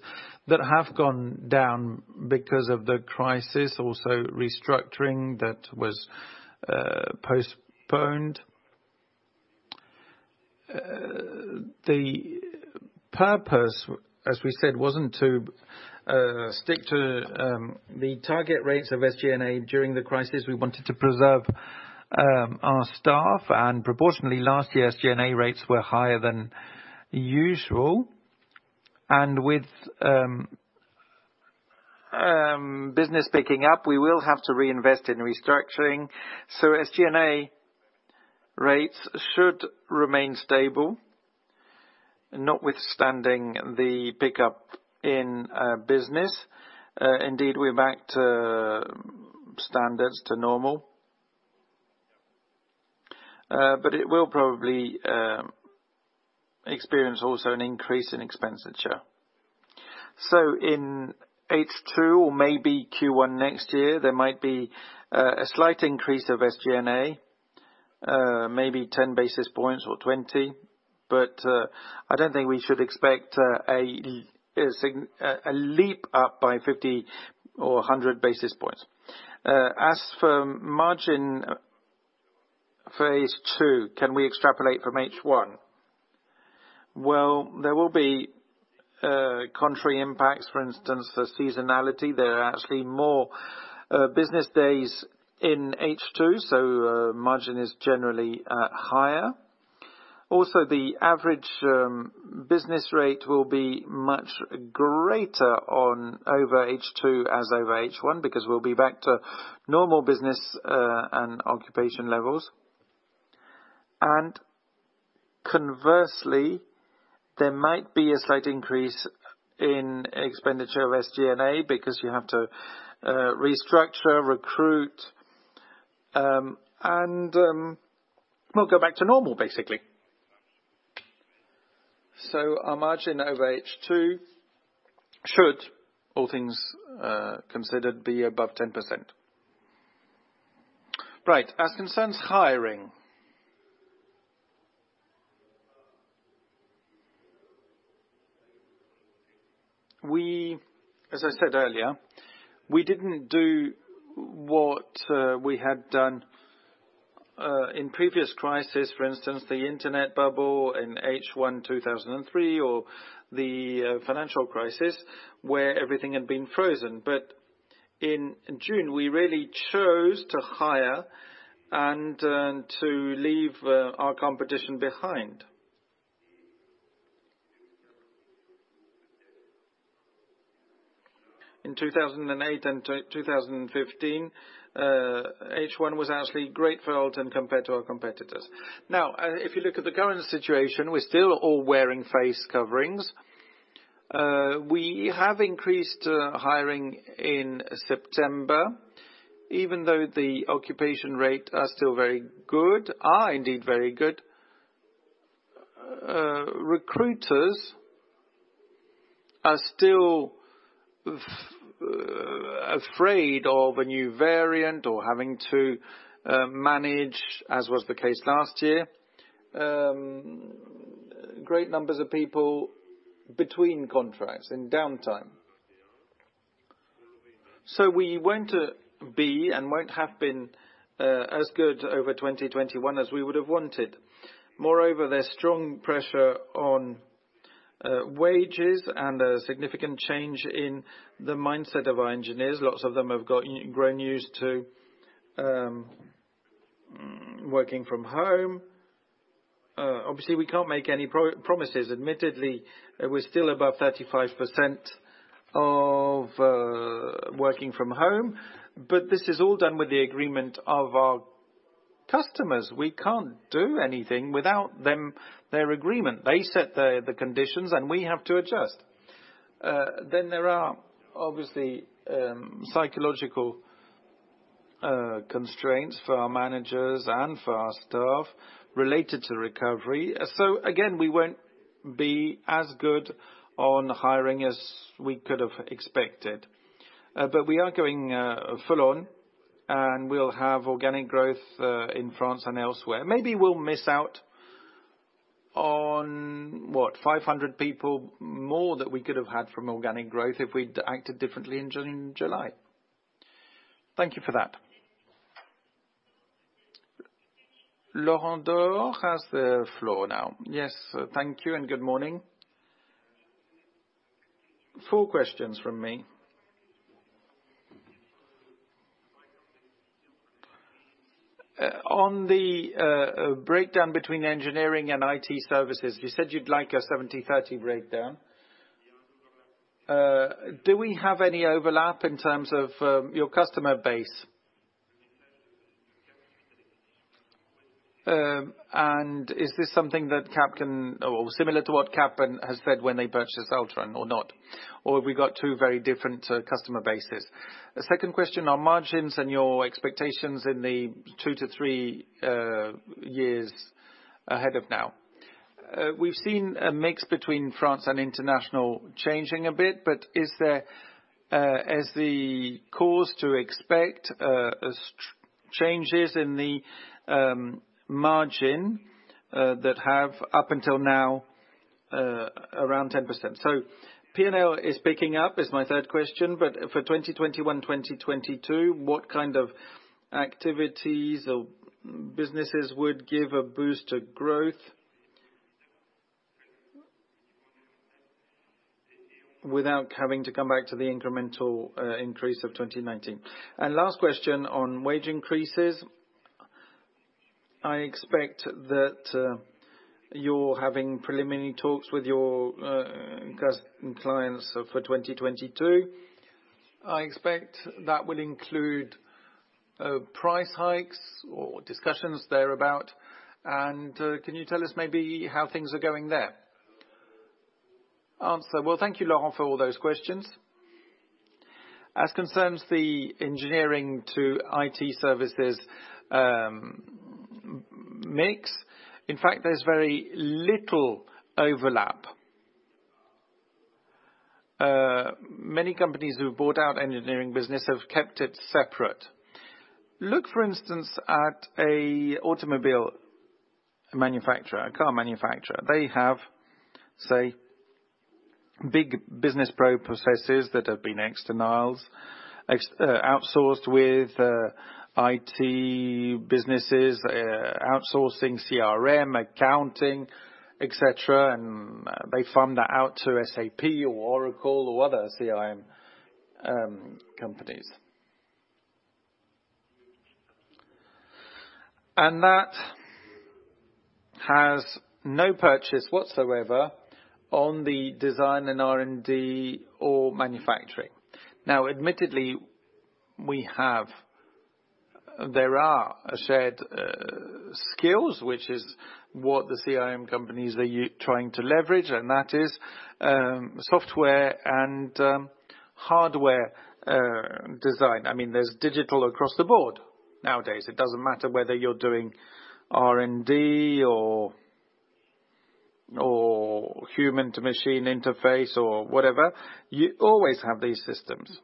that have gone down because of the crisis, also restructuring that was postponed. The purpose, as we said, wasn't to stick to the target rates of SG&A during the crisis. We wanted to preserve our staff. Proportionally, last year's G&A rates were higher than usual. With business picking up, we will have to reinvest in restructuring. SG&A rates should remain stable, notwithstanding the pickup in business. Indeed, we're back to standards to normal. It will probably experience also an increase in expenditure. In H2 or maybe Q1 next year, there might be a slight increase of SG&A, maybe 10 basis points or 20, but I don't think we should expect a leap up by 50 basis points or 100 basis points. As for margin for H2, can we extrapolate from H1? Well, there will be contrary impacts, for instance, for seasonality. There are actually more business days in H2. Margin is generally higher. The average business rate will be much greater on over H2 as over H1 because we'll be back to normal business and occupation levels. Conversely, there might be a slight increase in expenditure of SG&A because you have to restructure, recruit, and we'll go back to normal, basically. Our margin over H2 should, all things considered, be above 10%. Right. As concerns hiring, as I said earlier, we didn't do what we had done in previous crisis, for instance, the internet bubble in H1 2003 or the financial crisis, where everything had been frozen. In June, we really chose to hire and to leave our competition behind. In 2008 and 2015, H1 was actually great for ALTEN compared to our competitors. Now, if you look at the current situation, we're still all wearing face coverings. We have increased hiring in September, even though the occupation rate are still very good, are indeed very good. Recruiters are still afraid of a new variant or having to manage, as was the case last year, great numbers of people between contracts in downtime. So we won't be and won't have been as good over 2021 as we would have wanted. Moreover, there's strong pressure on wages and a significant change in the mindset of our engineers. Lots of them have grown used to working from home. Obviously, we can't make any promises. Admittedly, we're still above 35% of working from home. This is all done with the agreement of our customers. We can't do anything without their agreement. They set the conditions, and we have to adjust. There are, obviously, psychological constraints for our managers and for our staff related to recovery. Again, we won't be as good on hiring as we could have expected. We are going full on, and we'll have organic growth, in France and elsewhere. Maybe we'll miss out on what, 500 people more that we could have had from organic growth if we'd acted differently in July. Thank you for that. Laurent Daure has the floor now. Yes. Thank you and good morning. Four questions from me. On the breakdown between engineering and IT services, you said you'd like a 70/30 breakdown. Do we have any overlap in terms of your customer base? Is this something that Capgemini or similar to what Capgemini has said when they purchased Altran or not? We got two very different customer bases. Second question on margins and your expectations in the two to three years ahead of now. We've seen a mix between France and international changing a bit, but is the cause to expect changes in the margin, that have up until now, around 10%. P&L is picking up, is my third question, but for 2021/2022, what kind of activities or businesses would give a boost to growth without having to come back to the incremental increase of 2019? Last question on wage increases. I expect that you're having preliminary talks with your clients for 2022. I expect that will include price hikes or discussions thereabout. Can you tell us maybe how things are going there? Well, thank you, Laurent, for all those questions. As concerns the engineering to IT services mix, in fact, there's very little overlap. Many companies who bought out engineering business have kept it separate. Look, for instance, at a automobile manufacturer, a car manufacturer. They have, say, big business processes that have been externalized, outsourced with IT businesses, outsourcing CRM, accounting, et cetera, and they farm that out to SAP or Oracle or other CRM companies. That has no purchase whatsoever on the design and R&D or manufacturing. Now, admittedly, there are shared skills, which is what the CRM companies are trying to leverage, and that is software and hardware design. There's digital across the board nowadays. It doesn't matter whether you're doing R&D or human-to-machine interface or whatever. You always have these systems.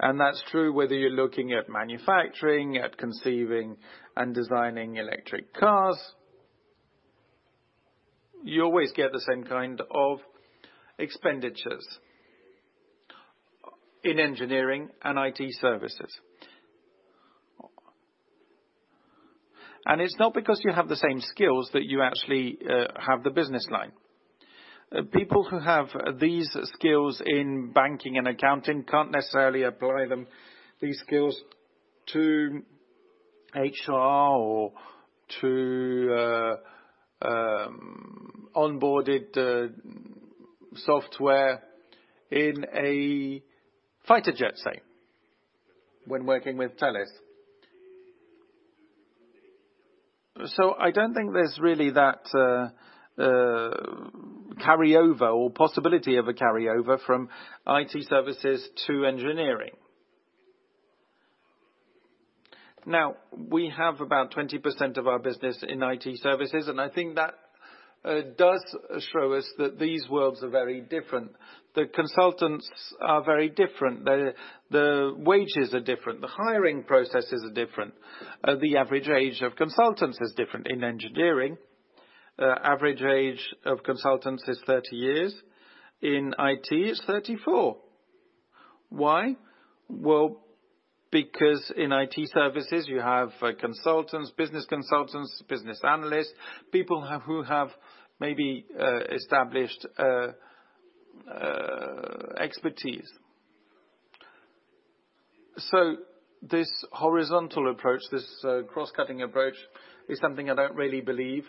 That's true whether you're looking at manufacturing, at conceiving and designing electric cars. You always get the same kind of expenditures in engineering and IT services. It's not because you have the same skills that you actually have the business line. People who have these skills in banking and accounting can't necessarily apply these skills to HR or to onboarded software in a fighter jet, say, when working with Thales. I don't think there's really that carryover or possibility of a carryover from IT services to engineering. Now, we have about 20% of our business in IT services, and I think that does show us that these worlds are very different. The consultants are very different. The wages are different. The hiring processes are different. The average age of consultants is different in engineering. Average age of consultants is 30 years. In IT, it's 34. Why? Because in IT services you have consultants, business consultants, business analysts, people who have maybe established expertise. This horizontal approach, this cross-cutting approach, is something I don't really believe.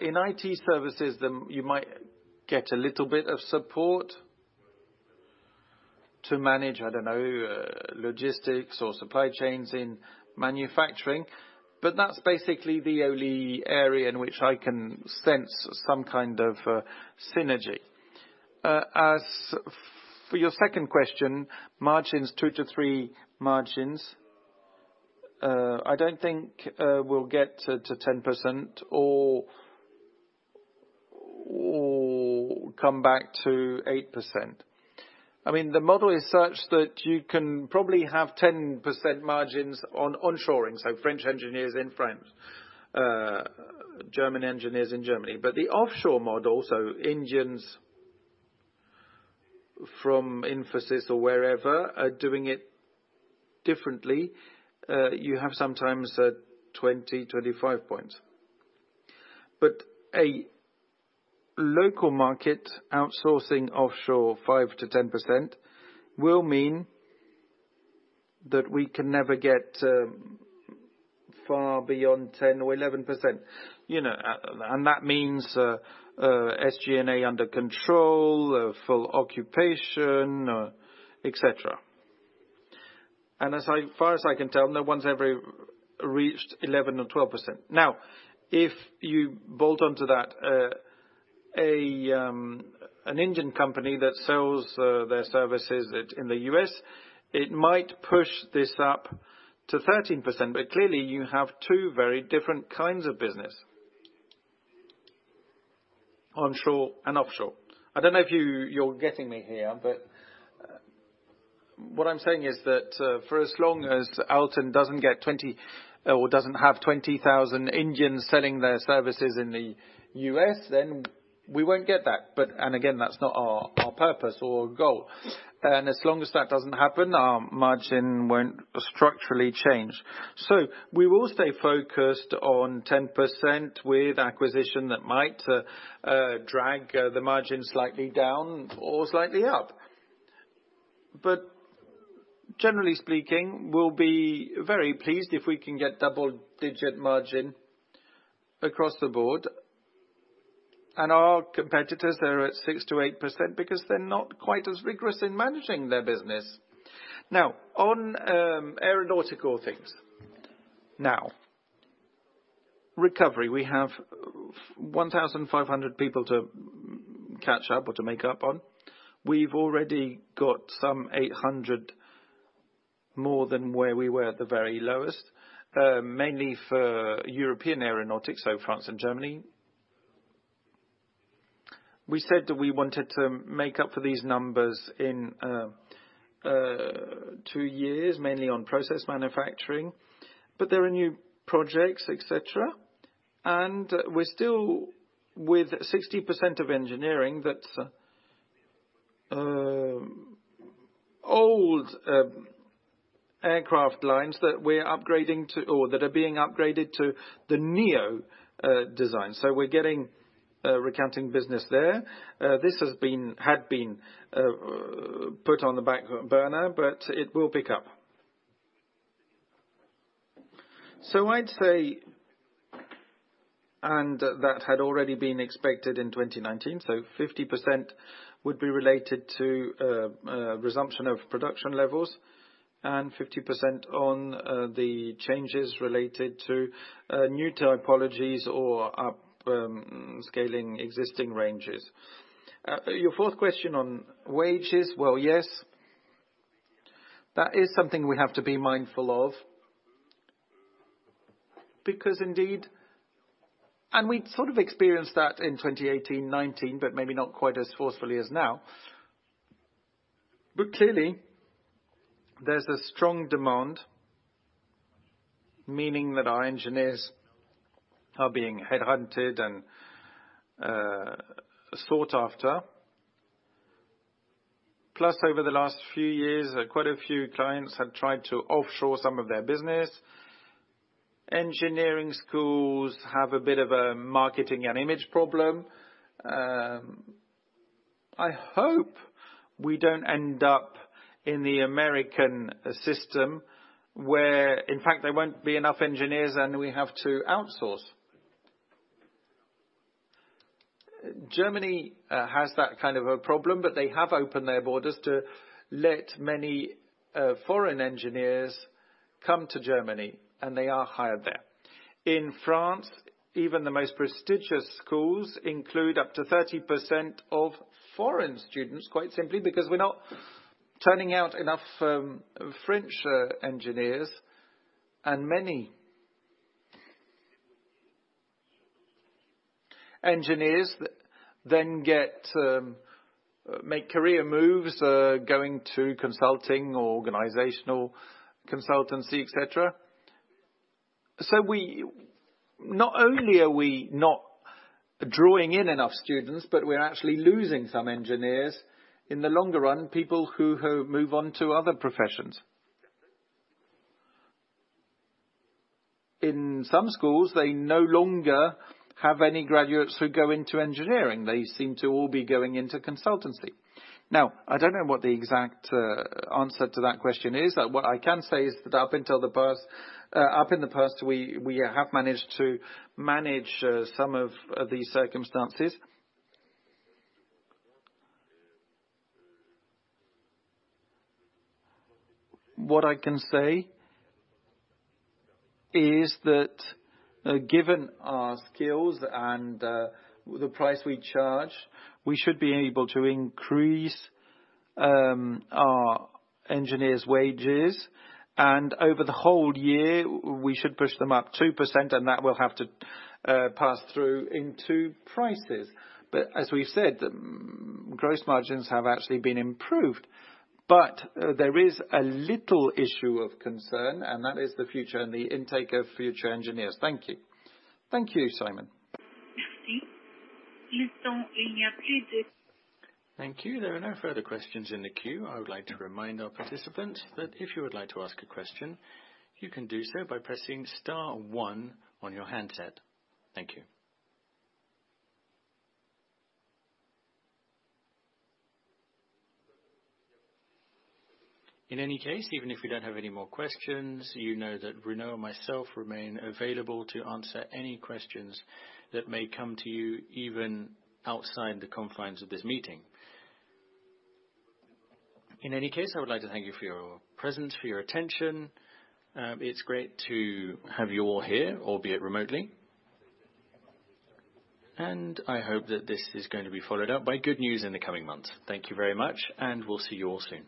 In IT services, you might get a little bit of support to manage, I don't know, logistics or supply chains in manufacturing. That's basically the only area in which I can sense some kind of synergy. As for your second question, margins, 2-3 margins, I don't think we'll get to 10% or come back to 8%. The model is such that you can probably have 10% margins on onshoring, so French engineers in France, German engineers in Germany. The offshore model, so Indians from Infosys or wherever are doing it differently. You have sometimes 20, 25 points. A local market outsourcing offshore 5%-10% will mean that we can never get far beyond 10% or 11%. That means SG&A under control, full occupation, et cetera. As far as I can tell, no one's ever reached 11% or 12%. If you bolt onto that an Indian company that sells their services in the U.S., it might push this up to 13%, but clearly you have two very different kinds of business, onshore and offshore. I don't know if you're getting me here, but what I'm saying is that for as long as ALTEN doesn't get 20 or doesn't have 20,000 Indians selling their services in the U.S., then we won't get that. Again, that's not our purpose or goal. As long as that doesn't happen, our margin won't structurally change. We will stay focused on 10% with acquisition that might drag the margin slightly down or slightly up. Generally speaking, we'll be very pleased if we can get double-digit margin across the board. Our competitors are at 6%-8% because they're not quite as rigorous in managing their business. On aeronautical things. Recovery, we have 1,500 people to catch up or to make up on. We've already got some 800 more than where we were at the very lowest, mainly for European aeronautics, so France and Germany. We said that we wanted to make up for these numbers in two years, mainly on process manufacturing. There are new projects, et cetera, and we're still with 60% of engineering, that's old aircraft lines that we're upgrading to or that are being upgraded to the Neo design. We're getting recounting business there. This had been put on the back burner, but it will pick up. I'd say, and that had already been expected in 2019, 50% would be related to resumption of production levels and 50% on the changes related to new topologies or upscaling existing ranges. Your fourth question on wages. Well, yes, that is something we have to be mindful of. Because indeed, and we sort of experienced that in 2018-2019, but maybe not quite as forcefully as now. Clearly, there's a strong demand, meaning that our engineers are being headhunted and sought after. Over the last few years, quite a few clients have tried to offshore some of their business. Engineering schools have a bit of a marketing and image problem. I hope we don't end up in the American system, where, in fact, there won't be enough engineers, and we have to outsource. Germany has that kind of a problem. They have opened their borders to let many foreign engineers come to Germany, and they are hired there. In France, even the most prestigious schools include up to 30% of foreign students, quite simply because we're not turning out enough French engineers. Many engineers then make career moves, going to consulting or organizational consultancy, et cetera. Not only are we not drawing in enough students, but we're actually losing some engineers in the longer run, people who move on to other professions. In some schools, they no longer have any graduates who go into engineering. They seem to all be going into consultancy. I don't know what the exact answer to that question is. What I can say is that up in the past, we have managed to manage some of the circumstances. What I can say is that given our skills and the price we charge, we should be able to increase our engineers' wages, and over the whole year, we should push them up 2%, and that will have to pass through into prices. As we've said, gross margins have actually been improved. There is a little issue of concern, and that is the future and the intake of future engineers. Thank you. Thank you, Simon. Thank you. There are no further questions in the queue. I would like to remind our participants that if you would like to ask a question, you can do so by pressing star one on your handset. Thank you. In any case, even if we don't have any more questions, you know that Bruno and myself remain available to answer any questions that may come to you, even outside the confines of this meeting. In any case, I would like to thank you for your presence, for your attention. It's great to have you all here, albeit remotely. I hope that this is going to be followed up by good news in the coming months. Thank you very much, and we'll see you all soon.